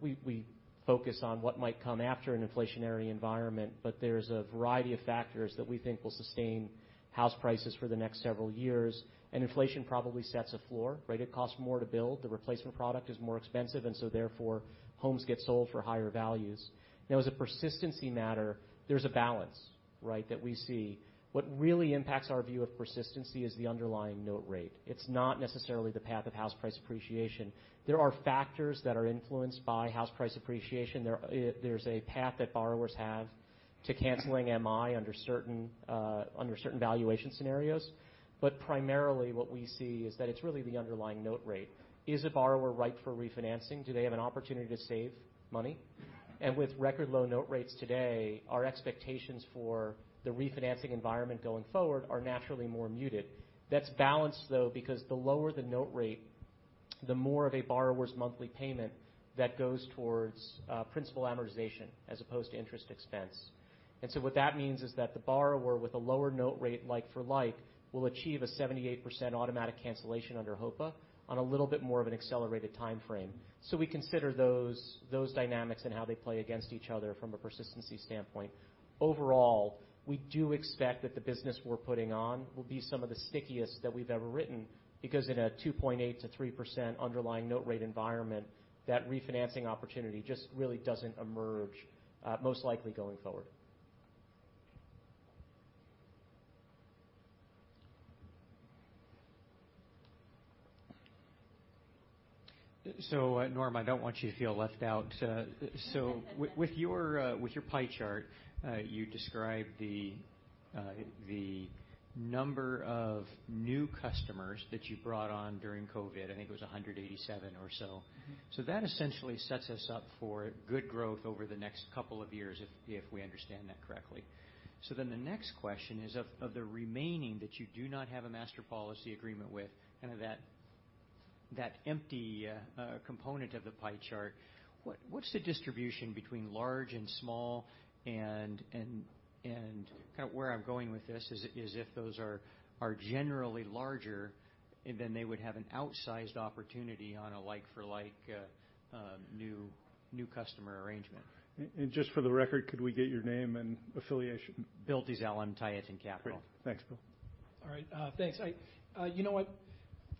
Speaker 7: We focus on what might come after an inflationary environment. There's a variety of factors that we think will sustain house prices for the next several years. Inflation probably sets a floor, right? It costs more to build. The replacement product is more expensive, and so therefore, homes get sold for higher values. Now, as a persistency matter, there's a balance, right, that we see. What really impacts our view of persistency is the underlying note rate. It's not necessarily the path of house price appreciation. There are factors that are influenced by house price appreciation. There, there's a path that borrowers have for canceling MI under certain valuation scenarios. Primarily what we see is that it's really the underlying note rate. Is a borrower ripe for refinancing? Do they have an opportunity to save money? With record low note rates today, our expectations for the refinancing environment going forward are naturally more muted. That's balanced, though, because the lower the note rate, the more of a borrower's monthly payment that goes towards principal amortization as opposed to interest expense. What that means is that the borrower with a lower note rate, like for like, will achieve a 78% automatic cancellation under HPA on a little bit more of an accelerated timeframe. We consider those dynamics and how they play against each other from a persistency standpoint. Overall, we do expect that the business we're putting on will be some of the stickiest that we've ever written, because in a 2.8%-3% underlying note rate environment, that refinancing opportunity just really doesn't emerge, most likely going forward.
Speaker 12: Norm, I don't want you to feel left out. With your pie chart, you described the number of new customers that you brought on during COVID. I think it was 187 or so. That essentially sets us up for good growth over the next couple of years, if we understand that correctly. The next question is of the remaining that you do not have a master policy agreement with, kind of that empty component of the pie chart. What's the distribution between large and small, and kind of where I'm going with this is if those are generally larger, and then they would have an outsized opportunity on a like for like new customer arrangement.
Speaker 2: Just for the record, could we get your name and affiliation?
Speaker 12: Bill Dezellem on Tieton Capital.
Speaker 2: Great. Thanks, Bill.
Speaker 4: All right, thanks. You know what?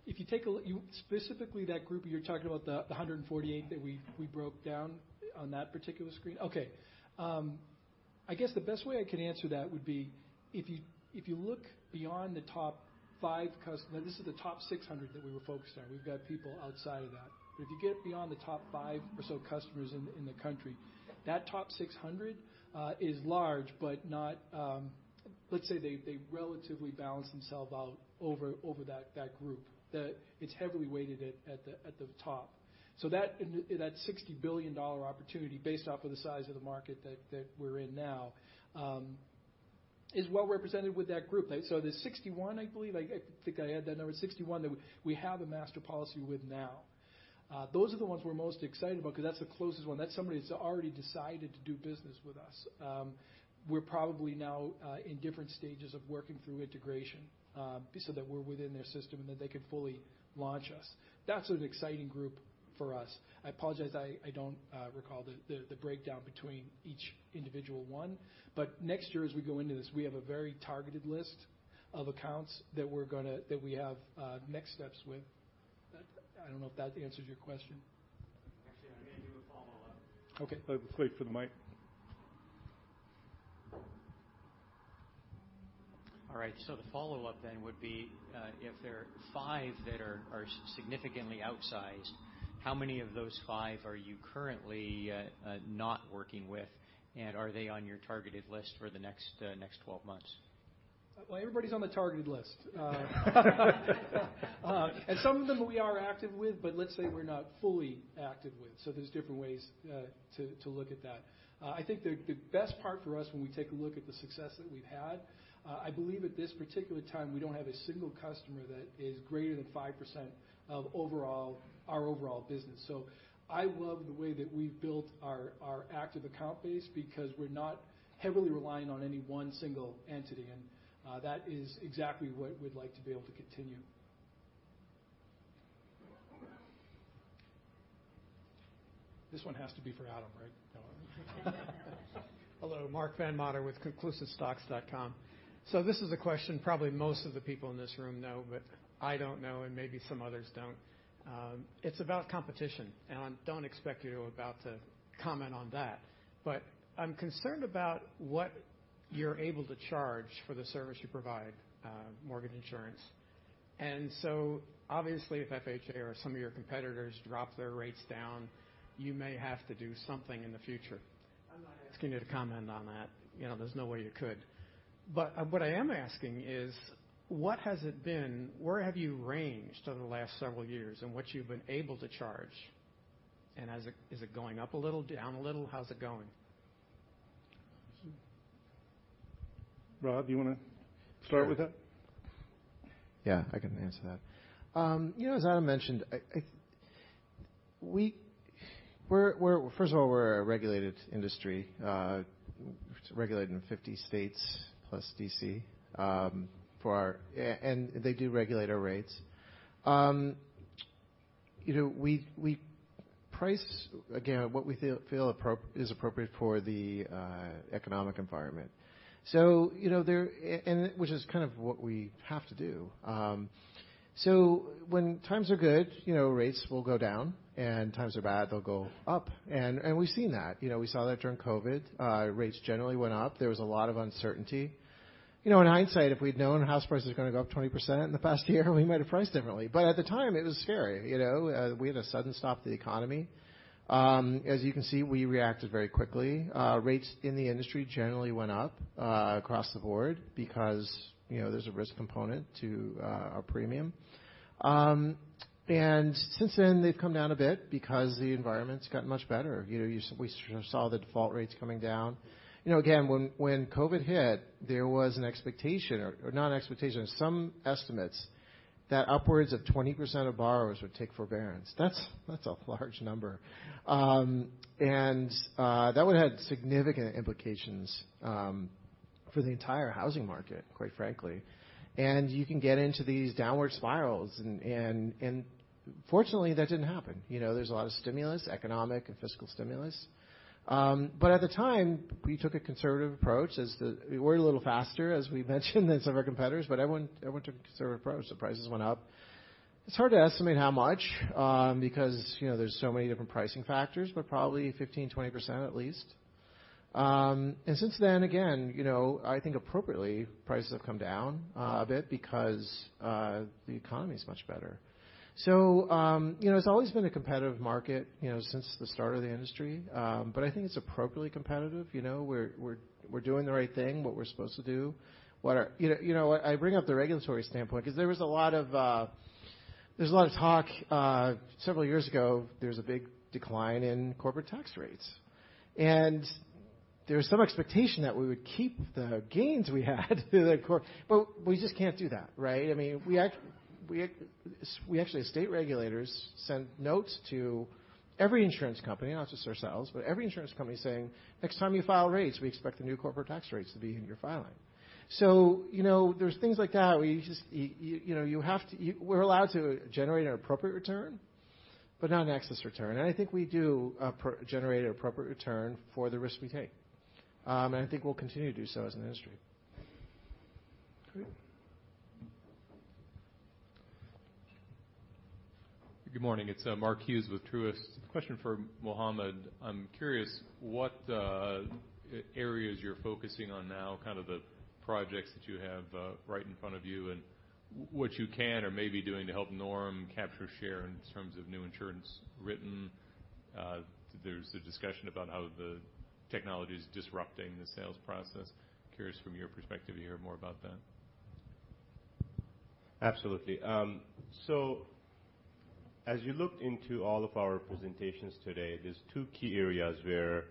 Speaker 4: If you take a look specifically that group, you're talking about the 148 that we broke down on that particular screen. Okay. I guess the best way I could answer that would be if you look beyond the top five customers. This is the top 600 that we were focused on. We've got people outside of that. If you get beyond the top five or so customers in the country, that top 600 is large, but not. Let's say they relatively balance themselves out over that group. It's heavily weighted at the top. That $60 billion opportunity based off of the size of the market that we're in now is well represented with that group. The 61, I believe, I think I had that number, 61 that we have a master policy with now. Those are the ones we're most excited about because that's the closest one. That's somebody that's already decided to do business with us. We're probably now in different stages of working through integration, so that we're within their system and that they can fully launch us. That's an exciting group for us. I apologize I don't recall the breakdown between each individual one. Next year, as we go into this, we have a very targeted list of accounts that we have next steps with. I don't know if that answers your question.
Speaker 12: Actually, I may do a follow-up.
Speaker 2: Okay. Wait for the mic.
Speaker 12: All right, the follow-up then would be, if there are five that are significantly outsized, how many of those five are you currently not working with? And are they on your targeted list for the next 12 months?
Speaker 4: Well, everybody's on the targeted list. Some of them we are active with, but let's say we're not fully active with, so there's different ways to look at that. I think the best part for us when we take a look at the success that we've had, I believe at this particular time, we don't have a single customer that is greater than 5% of our overall business. I love the way that we've built our active account base because we're not heavily relying on any one single entity. That is exactly what we'd like to be able to continue.
Speaker 2: This one has to be for Adam, right?
Speaker 13: Hello. Mark Vannatter with conclusivestocks.com. This is a question probably most of the people in this room know, but I don't know, and maybe some others don't. It's about competition. I don't expect you to comment on that, but I'm concerned about what you're able to charge for the service you provide, mortgage insurance. Obviously, if FHA or some of your competitors drop their rates down, you may have to do something in the future. I'm not asking you to comment on that. You know, there's no way you could. What I am asking is where have you ranged over the last several years in what you've been able to charge? Is it going up a little? Down a little? How's it going?
Speaker 2: Rob, you wanna start with that?
Speaker 6: Yeah, I can answer that. You know, as Adam mentioned, first of all, we're a regulated industry, regulated in 50 states plus D.C., and they do regulate our rates. You know, we price, again, what we feel is appropriate for the economic environment, which is kind of what we have to do. When times are good, you know, rates will go down, and when times are bad, they'll go up. We've seen that. You know, we saw that during COVID, rates generally went up. There was a lot of uncertainty. You know, in hindsight, if we'd known house prices were gonna go up 20% in the past year, we might have priced differently. At the time, it was scary, you know, we had to sudden stop the economy. As you can see, we reacted very quickly. Rates in the industry generally went up, across the board because, you know, there's a risk component to, our premium. Since then, they've come down a bit because the environment's got much better. You know, We saw the default rates coming down. You know, again, when COVID hit, there was an expectation, or not an expectation, some estimates that upwards of 20% of borrowers would take forbearance. That's a large number. That one had significant implications, for the entire housing market, quite frankly. You can get into these downward spirals and, fortunately, that didn't happen. You know, there's a lot of stimulus, economic and fiscal stimulus. At the time, we took a conservative approach. We were a little faster, as we mentioned, than some of our competitors, but everyone took a conservative approach, so prices went up. It's hard to estimate how much, because, you know, there's so many different pricing factors, but probably 15%-20% at least. Since then, again, you know, I think appropriately, prices have come down a bit because the economy is much better. You know, it's always been a competitive market, you know, since the start of the industry. I think it's appropriately competitive. You know, we're doing the right thing, what we're supposed to do. What are. You know what, I bring up the regulatory standpoint 'cause there was a lot of talk several years ago. There was a big decline in corporate tax rates. There was some expectation that we would keep the gains we had, but we just can't do that, right? I mean, we actually as state regulators send notes to every insurance company, not just ourselves, but every insurance company saying, "Next time you file rates, we expect the new corporate tax rates to be in your filing." You know, there's things like that where you just you know, you have to. We're allowed to generate an appropriate return, but not an excess return. I think we do generate an appropriate return for the risk we take. I think we'll continue to do so as an industry.
Speaker 13: Great.
Speaker 14: Good morning. It's Mark Hughes with Truist. Question for Mohammad. I'm curious what areas you're focusing on now, kind of the projects that you have right in front of you and what you can or may be doing to help Norm capture share in terms of new insurance written. There's a discussion about how the technology's disrupting the sales process. Curious from your perspective to hear more about that.
Speaker 5: Absolutely. As you looked into all of our presentations today, there's two key areas where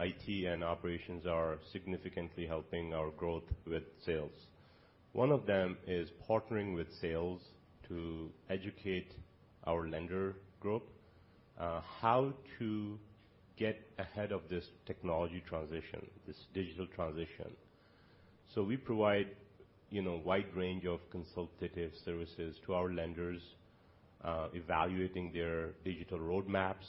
Speaker 5: IT and operations are significantly helping our growth with sales. One of them is partnering with sales to educate our lender group how to get ahead of this technology transition, this digital transition. We provide, you know, wide range of consultative services to our lenders evaluating their digital roadmaps.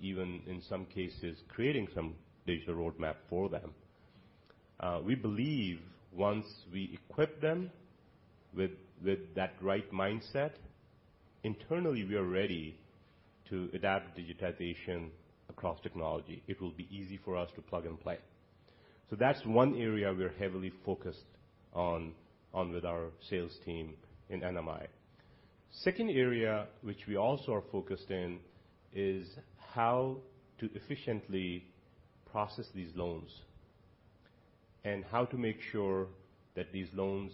Speaker 5: Even in some cases, creating some digital roadmap for them. We believe once we equip them with that right mindset, internally, we are ready to adapt digitization across technology. It will be easy for us to plug and play. That's one area we're heavily focused on with our sales team in NMI. Second area, which we also are focused on, is how to efficiently process these loans and how to make sure that these loans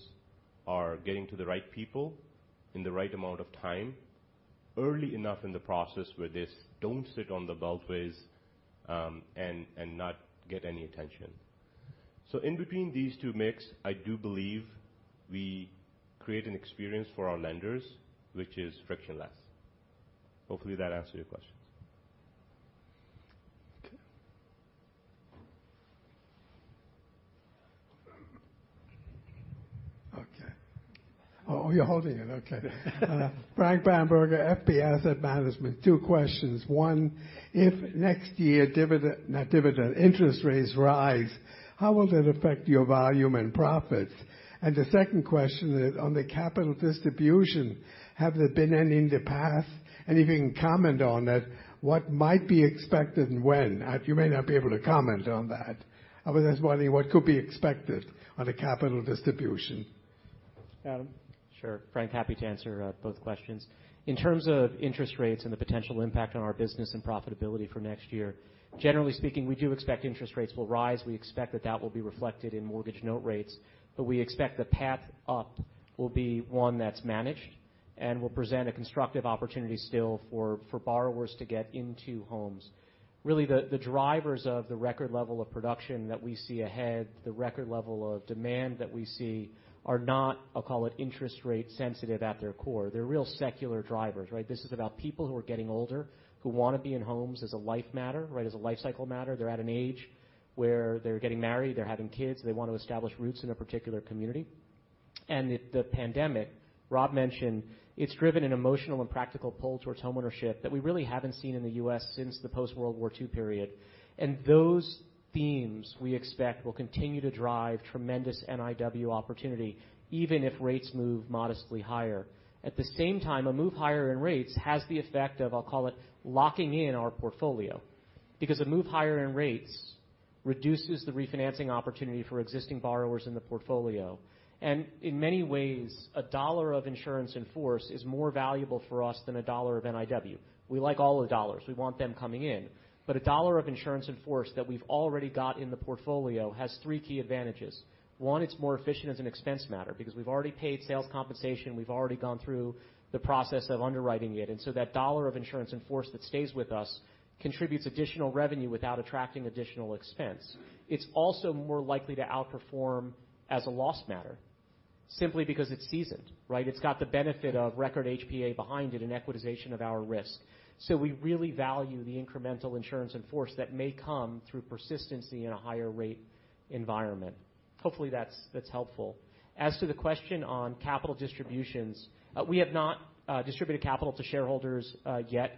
Speaker 5: are getting to the right people in the right amount of time, early enough in the process where these don't sit by the wayside, and not get any attention. In between these two mix, I do believe we create an experience for our lenders which is frictionless. Hopefully, that answers your question.
Speaker 15: Frank Bamberger, FP Asset Management. Two questions. One, if next year interest rates rise, how will that affect your volume and profits? The second question is on the capital distribution. Have there been any in the past? If you can comment on it, what might be expected and when? You may not be able to comment on that. I was just wondering what could be expected on a capital distribution.
Speaker 2: Adam?
Speaker 7: Sure. Frank, happy to answer both questions. In terms of interest rates and the potential impact on our business and profitability for next year, generally speaking, we do expect interest rates will rise. We expect that that will be reflected in mortgage note rates, but we expect the path up will be one that's managed and will present a constructive opportunity still for borrowers to get into homes. Really, the drivers of the record level of production that we see ahead, the record level of demand that we see are not, I'll call it interest rate sensitive at their core. They're real secular drivers, right? This is about people who are getting older, who wanna be in homes as a life matter, right, as a life cycle matter. They're at an age where they're getting married, they're having kids, they want to establish roots in a particular community. The pandemic, Rob mentioned, it's driven an emotional and practical pull towards homeownership that we really haven't seen in the U.S. since the post-World War II period. Those themes, we expect, will continue to drive tremendous NIW opportunity, even if rates move modestly higher. At the same time, a move higher in rates has the effect of, I'll call it locking in our portfolio. Because a move higher in rates reduces the refinancing opportunity for existing borrowers in the portfolio. In many ways, a dollar of insurance in force is more valuable for us than a dollar of NIW. We like all the dollars. We want them coming in. A dollar of insurance in force that we've already got in the portfolio has three key advantages. One, it's more efficient as an expense matter because we've already paid sales compensation. We've already gone through the process of underwriting it. And so that dollar of insurance in force that stays with us contributes additional revenue without attracting additional expense. It's also more likely to outperform as a loss matter simply because it's seasoned, right? It's got the benefit of record HPA behind it and equitization of our risk. So we really value the incremental insurance in force that may come through persistency in a higher rate environment. Hopefully that's helpful. As to the question on capital distributions, we have not distributed capital to shareholders yet.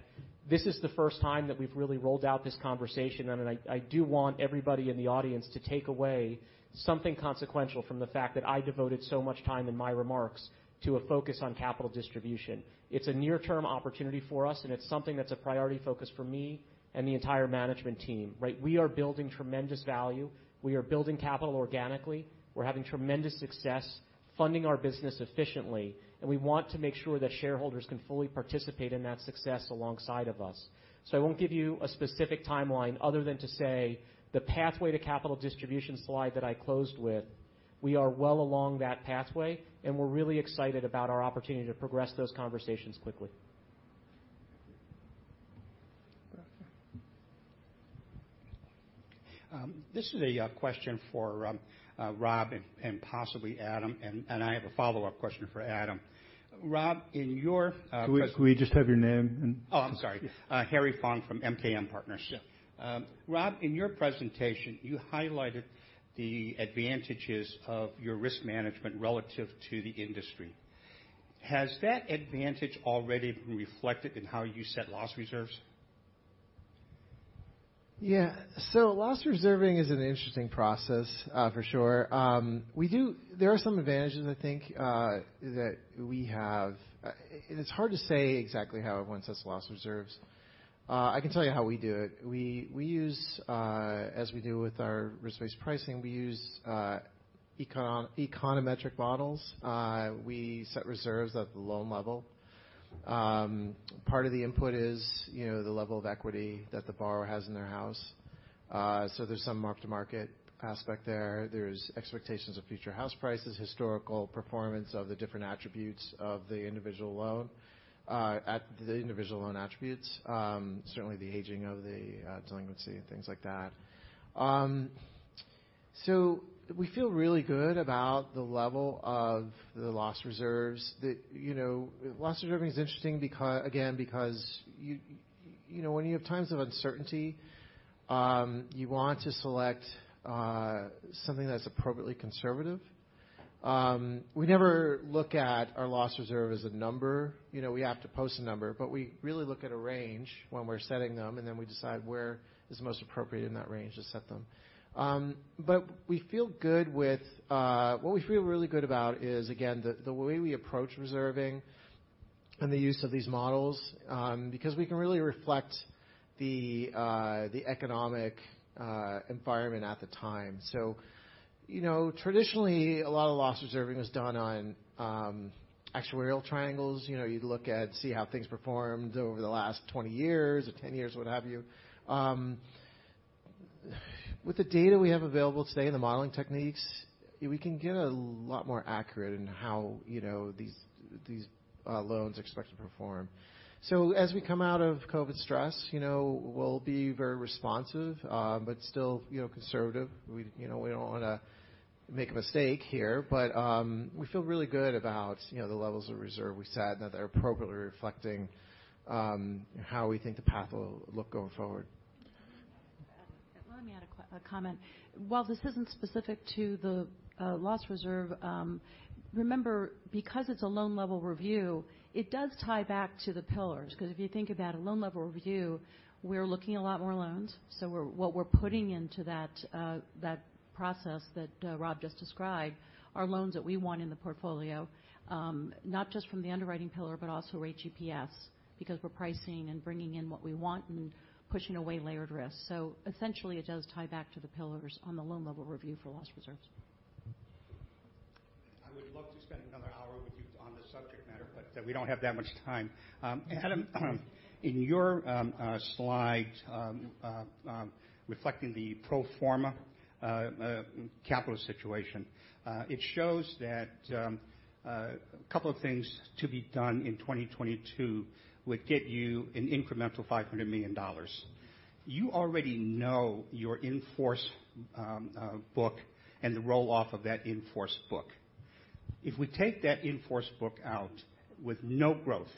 Speaker 7: This is the first time that we've really rolled out this conversation. I mean, I do want everybody in the audience to take away something consequential from the fact that I devoted so much time in my remarks to a focus on capital distribution. It's a near-term opportunity for us, and it's something that's a priority focus for me and the entire management team, right? We are building tremendous value. We are building capital organically. We're having tremendous success funding our business efficiently, and we want to make sure that shareholders can fully participate in that success alongside of us. I won't give you a specific timeline other than to say the pathway to capital distribution slide that I closed with, we are well along that pathway, and we're really excited about our opportunity to progress those conversations quickly.
Speaker 15: Okay.
Speaker 16: This is a question for Rob and possibly Adam, and I have a follow-up question for Adam. Rob, in your.
Speaker 2: Could we just have your name and.
Speaker 16: Oh, I'm sorry. Harry Fong from MKM Partners.
Speaker 2: Yeah.
Speaker 16: Rob, in your presentation, you highlighted the advantages of your risk management relative to the industry. Has that advantage already been reflected in how you set loss reserves?
Speaker 6: Yeah. Loss reserving is an interesting process, for sure. There are some advantages I think that we have. It's hard to say exactly how one sets loss reserves. I can tell you how we do it. We use, as we do with our risk-based pricing, we use econometric models. We set reserves at the loan level. Part of the input is, you know, the level of equity that the borrower has in their house. There's some mark-to-market aspect there. There's expectations of future house prices, historical performance of the different attributes of the individual loan at the individual loan attributes, certainly the aging of the delinquency and things like that. We feel really good about the level of the loss reserves that, you know, loss reserving is interesting again, because you know, when you have times of uncertainty, you want to select something that's appropriately conservative. We never look at our loss reserve as a number. You know, we have to post a number, but we really look at a range when we're setting them, and then we decide where is the most appropriate in that range to set them. But we feel good with what we feel really good about is, again, the way we approach reserving and the use of these models, because we can really reflect the economic environment at the time. You know, traditionally, a lot of loss reserving is done on actuarial triangles. You know, you look and see how things performed over the last 20 years or 10 years, what have you. With the data we have available today and the modeling techniques, we can get a lot more accurate in how, you know, these loans expect to perform. So as we come out of COVID stress, you know, we'll be very responsive, but still, you know, conservative. We, you know, we don't wanna make a mistake here, but, we feel really good about, you know, the levels of reserve we set and that they're appropriately reflecting, how we think the path will look going forward.
Speaker 3: Let me add a comment. While this isn't specific to the loss reserve, remember, because it's a loan-level review, it does tie back to the pillars. Because if you think about a loan-level review, we're looking at a lot more loans. What we're putting into that process that Rob just described are loans that we want in the portfolio, not just from the underwriting pillar, but also Rate GPS, because we're pricing and bringing in what we want and pushing away layered risks. Essentially it does tie back to the pillars on the loan-level review for loss reserves.
Speaker 16: I would love to spend another hour with you on the subject matter, but we don't have that much time. Adam, in your slide reflecting the pro forma capital situation, it shows that a couple of things to be done in 2022 would get you an incremental $500 million. You already know your in-force book and the roll-off of that in-force book. If we take that in-force book out with no growth,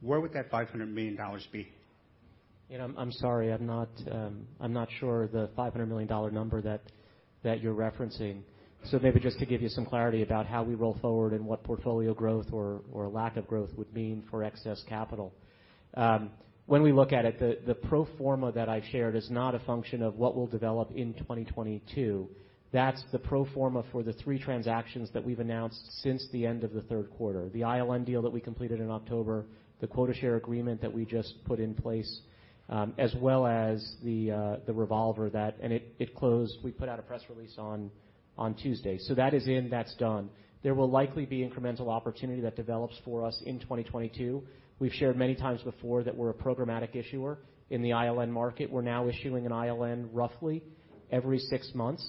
Speaker 16: where would that $500 million be?
Speaker 7: You know, I'm sorry. I'm not sure the $500 million number that you're referencing. Maybe just to give you some clarity about how we roll forward and what portfolio growth or lack of growth would mean for excess capital. When we look at it, the pro forma that I've shared is not a function of what we'll develop in 2022. That's the pro forma for the three transactions that we've announced since the end of the Q3. The ILN deal that we completed in October, the quota share agreement that we just put in place, as well as the revolver that and it closed. We put out a press release on Tuesday. That is in, that's done. There will likely be incremental opportunity that develops for us in 2022. We've shared many times before that we're a programmatic issuer in the ILN market. We're now issuing an ILN roughly every six months.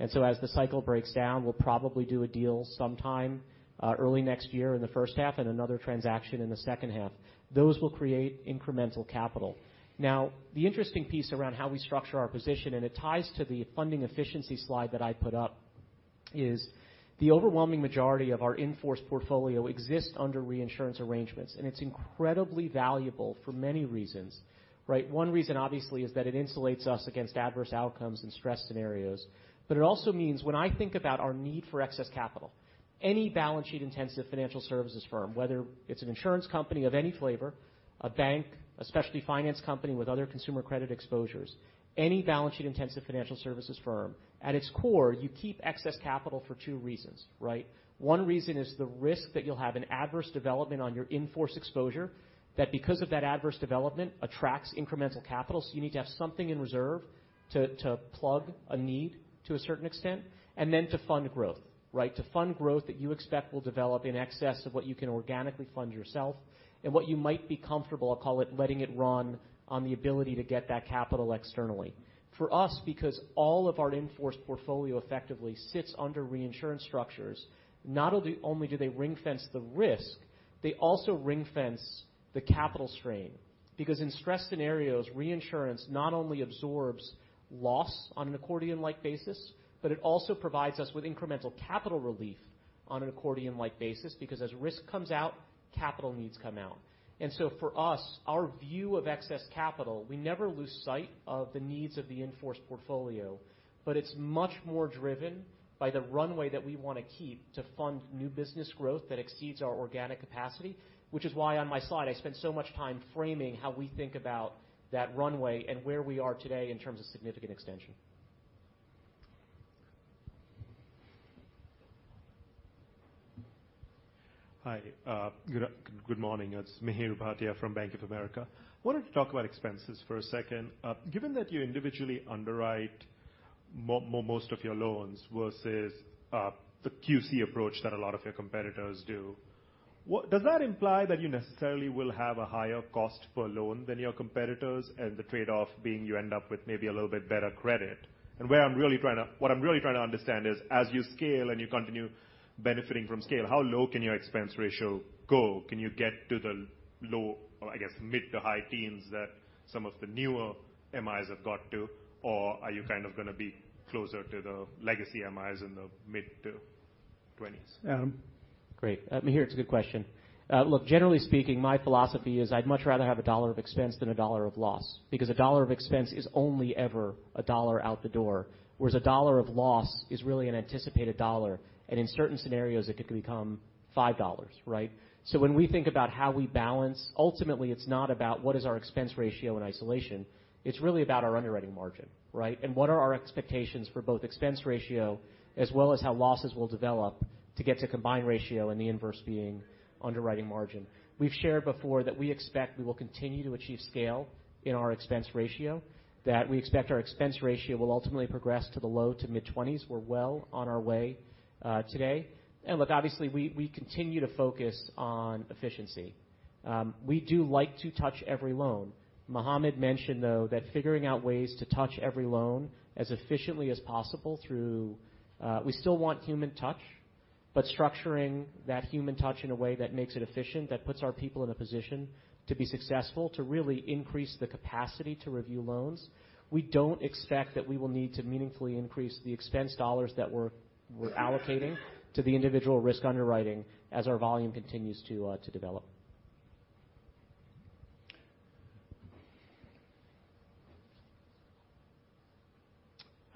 Speaker 7: As the cycle breaks down, we'll probably do a deal sometime, early next year in the H1 and another transaction in the H2. Those will create incremental capital. Now the interesting piece around how we structure our position, and it ties to the funding efficiency slide that I put up, is the overwhelming majority of our in-force portfolio exists under reinsurance arrangements, and it's incredibly valuable for many reasons, right? One reason, obviously, is that it insulates us against adverse outcomes and stress scenarios. it also means when I think about our need for excess capital, any balance sheet intensive financial services firm, whether it's an insurance company of any flavor, a bank, a specialty finance company with other consumer credit exposures, any balance sheet intensive financial services firm, at its core, you keep excess capital for two reasons, right? One reason is the risk that you'll have an adverse development on your in-force exposure, that because of that adverse development attracts incremental capital, so you need to have something in reserve to plug a need to a certain extent, and then to fund growth, right? To fund growth that you expect will develop in excess of what you can organically fund yourself and what you might be comfortable, I'll call it, letting it run on the ability to get that capital externally. For us, because all of our in-force portfolio effectively sits under reinsurance structures, not only do they ring-fence the risk, they also ring-fence the capital strain. Because in stress scenarios, reinsurance not only absorbs loss on an accordion-like basis, but it also provides us with incremental capital relief on an accordion-like basis, because as risk comes out, capital needs come out. For us, our view of excess capital, we never lose sight of the needs of the in-force portfolio, but it's much more driven by the runway that we wanna keep to fund new business growth that exceeds our organic capacity, which is why on my slide I spent so much time framing how we think about that runway and where we are today in terms of significant extension.
Speaker 17: Hi. Good morning. It's Mihir Bhatia from Bank of America. Wanted to talk about expenses for a second. Given that you individually underwrite most of your loans versus the QC approach that a lot of your competitors do, what does that imply that you necessarily will have a higher cost per loan than your competitors and the trade-off being you end up with maybe a little bit better credit? What I'm really trying to understand is as you scale and you continue benefiting from scale, how low can your expense ratio go? Can you get to the low or I guess mid- to high teens that some of the newer MIs have got to, or are you kind of gonna be closer to the legacy MIs in the mid-20s?
Speaker 7: Great. It's a good question. Look, generally speaking, my philosophy is I'd much rather have a dollar of expense than a dollar of loss, because a dollar of expense is only ever a dollar out the door. Whereas a dollar of loss is really an anticipated dollar, and in certain scenarios, it could become $5, right? When we think about how we balance, ultimately it's not about what is our expense ratio in isolation, it's really about our underwriting margin, right? What are our expectations for both expense ratio as well as how losses will develop to get to combined ratio and the inverse being underwriting margin. We've shared before that we expect we will continue to achieve scale in our expense ratio. That we expect our expense ratio will ultimately progress to the low- to mid-20s. We're well on our way today. Look, obviously, we continue to focus on efficiency. We do like to touch every loan. Mohammed mentioned, though, that figuring out ways to touch every loan as efficiently as possible through, we still want human touch, but structuring that human touch in a way that makes it efficient, that puts our people in a position to be successful, to really increase the capacity to review loans. We don't expect that we will need to meaningfully increase the expense dollars that we're allocating to the individual risk underwriting as our volume continues to develop.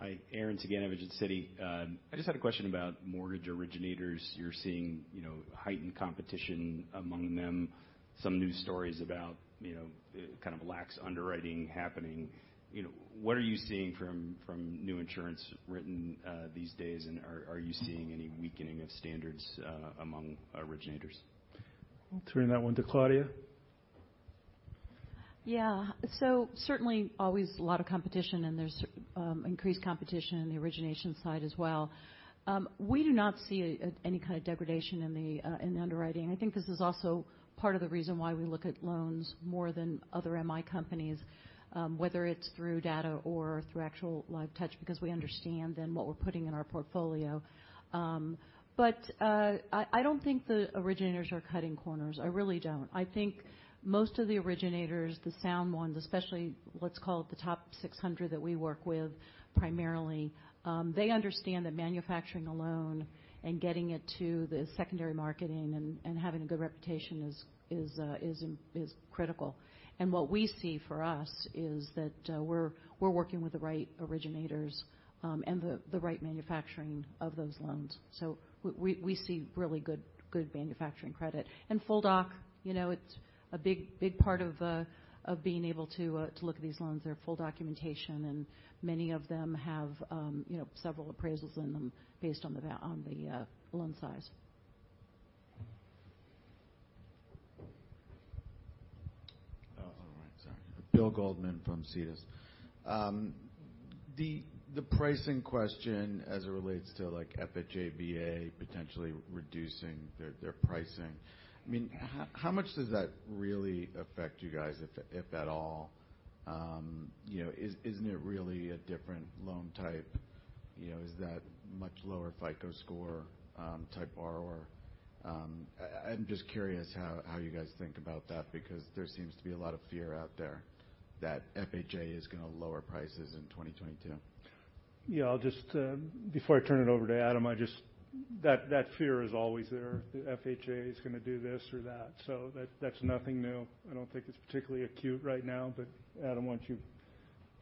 Speaker 18: Hi, Aaron Saganovich, Citi. I just had a question about mortgage originators. You're seeing, you know, heightened competition among them. Some news stories about, you know, kind of a lax underwriting happening. You know, what are you seeing from new insurance written these days, and are you seeing any weakening of standards among originators?
Speaker 2: I'll turn that one to Claudia.
Speaker 3: Yeah. Certainly always a lot of competition, and there's increased competition in the origination side as well. We do not see any kind of degradation in the in the underwriting. I think this is also part of the reason why we look at loans more than other MI companies, whether it's through data or through actual live touch, because we understand then what we're putting in our portfolio. I don't think the originators are cutting corners. I really don't. I think most of the originators, the sound ones, especially what's called the top 600 that we work with primarily, they understand that manufacturing a loan and getting it to the secondary marketing and having a good reputation is critical. What we see for us is that, we're working with the right originators, and the right manufacturing of those loans. We see really good manufacturing credit. Full doc, you know, it's a big part of being able to look at these loans. They're full documentation, and many of them have, you know, several appraisals in them based on the loan size.
Speaker 8: Oh, all right. Sorry. Bill Goldman from Cetus Capital. The pricing question as it relates to like FHA, VA potentially reducing their pricing. I mean, how much does that really affect you guys, if at all? You know, isn't it really a different loan type? You know, is that much lower FICO score type borrower? I'm just curious how you guys think about that because there seems to be a lot of fear out there that FHA is gonna lower prices in 2022.
Speaker 2: Yeah, I'll just, before I turn it over to Adam, I just. That fear is always there. The FHA is gonna do this or that. That's nothing new. I don't think it's particularly acute right now, but Adam why don't you.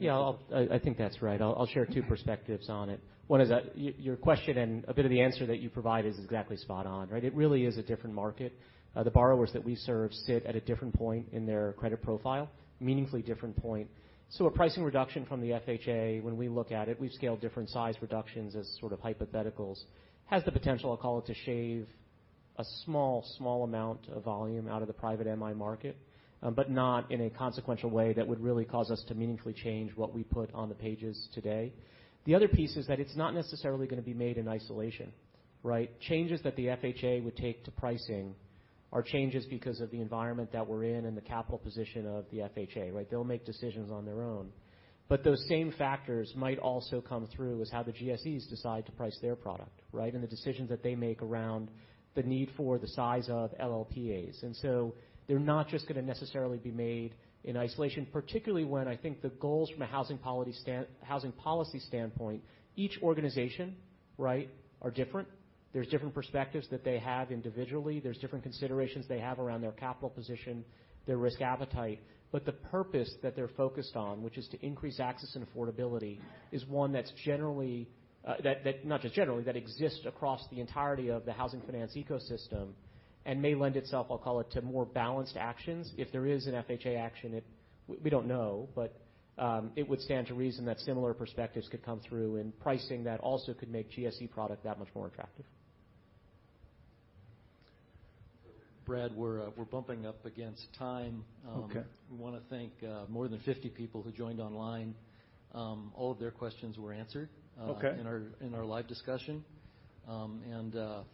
Speaker 7: Yeah, I think that's right. I'll share two perspectives on it. One is that your question and a bit of the answer that you provide is exactly spot on, right? It really is a different market. The borrowers that we serve sit at a different point in their credit profile, meaningfully different point. So a pricing reduction from the FHA, when we look at it, we've scaled different size reductions as sort of hypotheticals, has the potential, I'll call it, to shave a small amount of volume out of the private MI market, but not in a consequential way that would really cause us to meaningfully change what we put on the pages today. The other piece is that it's not necessarily gonna be made in isolation, right? Changes that the FHA would take to pricing are changes because of the environment that we're in and the capital position of the FHA, right? They'll make decisions on their own. Those same factors might also come through in how the GSEs decide to price their product, right, the decisions that they make around the need for the size of LLPAs. They're not just gonna necessarily be made in isolation, particularly when I think the goals from a housing policy standpoint, each organization, right, are different. There's different perspectives that they have individually. There's different considerations they have around their capital position, their risk appetite. The purpose that they're focused on, which is to increase access and affordability, is one that's generally, not just generally, that exists across the entirety of the housing finance ecosystem and may lend itself, I'll call it, to more balanced actions. If there is an FHA action, we don't know, but it would stand to reason that similar perspectives could come through in pricing that also could make GSE product that much more attractive.
Speaker 1: Brad, we're bumping up against time.
Speaker 2: Okay.
Speaker 1: We wanna thank more than 50 people who joined online. All of their questions were answered.
Speaker 2: Okay.
Speaker 1: In our live discussion.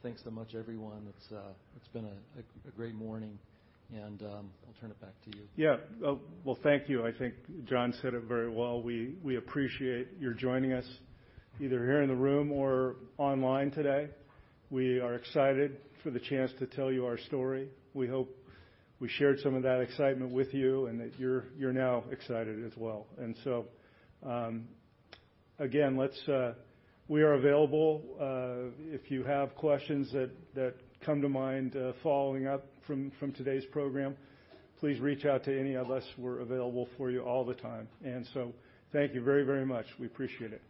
Speaker 1: Thanks so much, everyone. It's been a great morning. I'll turn it back to you.
Speaker 2: Yeah. Well, thank you. I think John said it very well. We appreciate your joining us either here in the room or online today. We are excited for the chance to tell you our story. We hope we shared some of that excitement with you and that you're now excited as well. We are available. If you have questions that come to mind following up from today's program, please reach out to any of us. We're available for you all the time. Thank you very much. We appreciate it.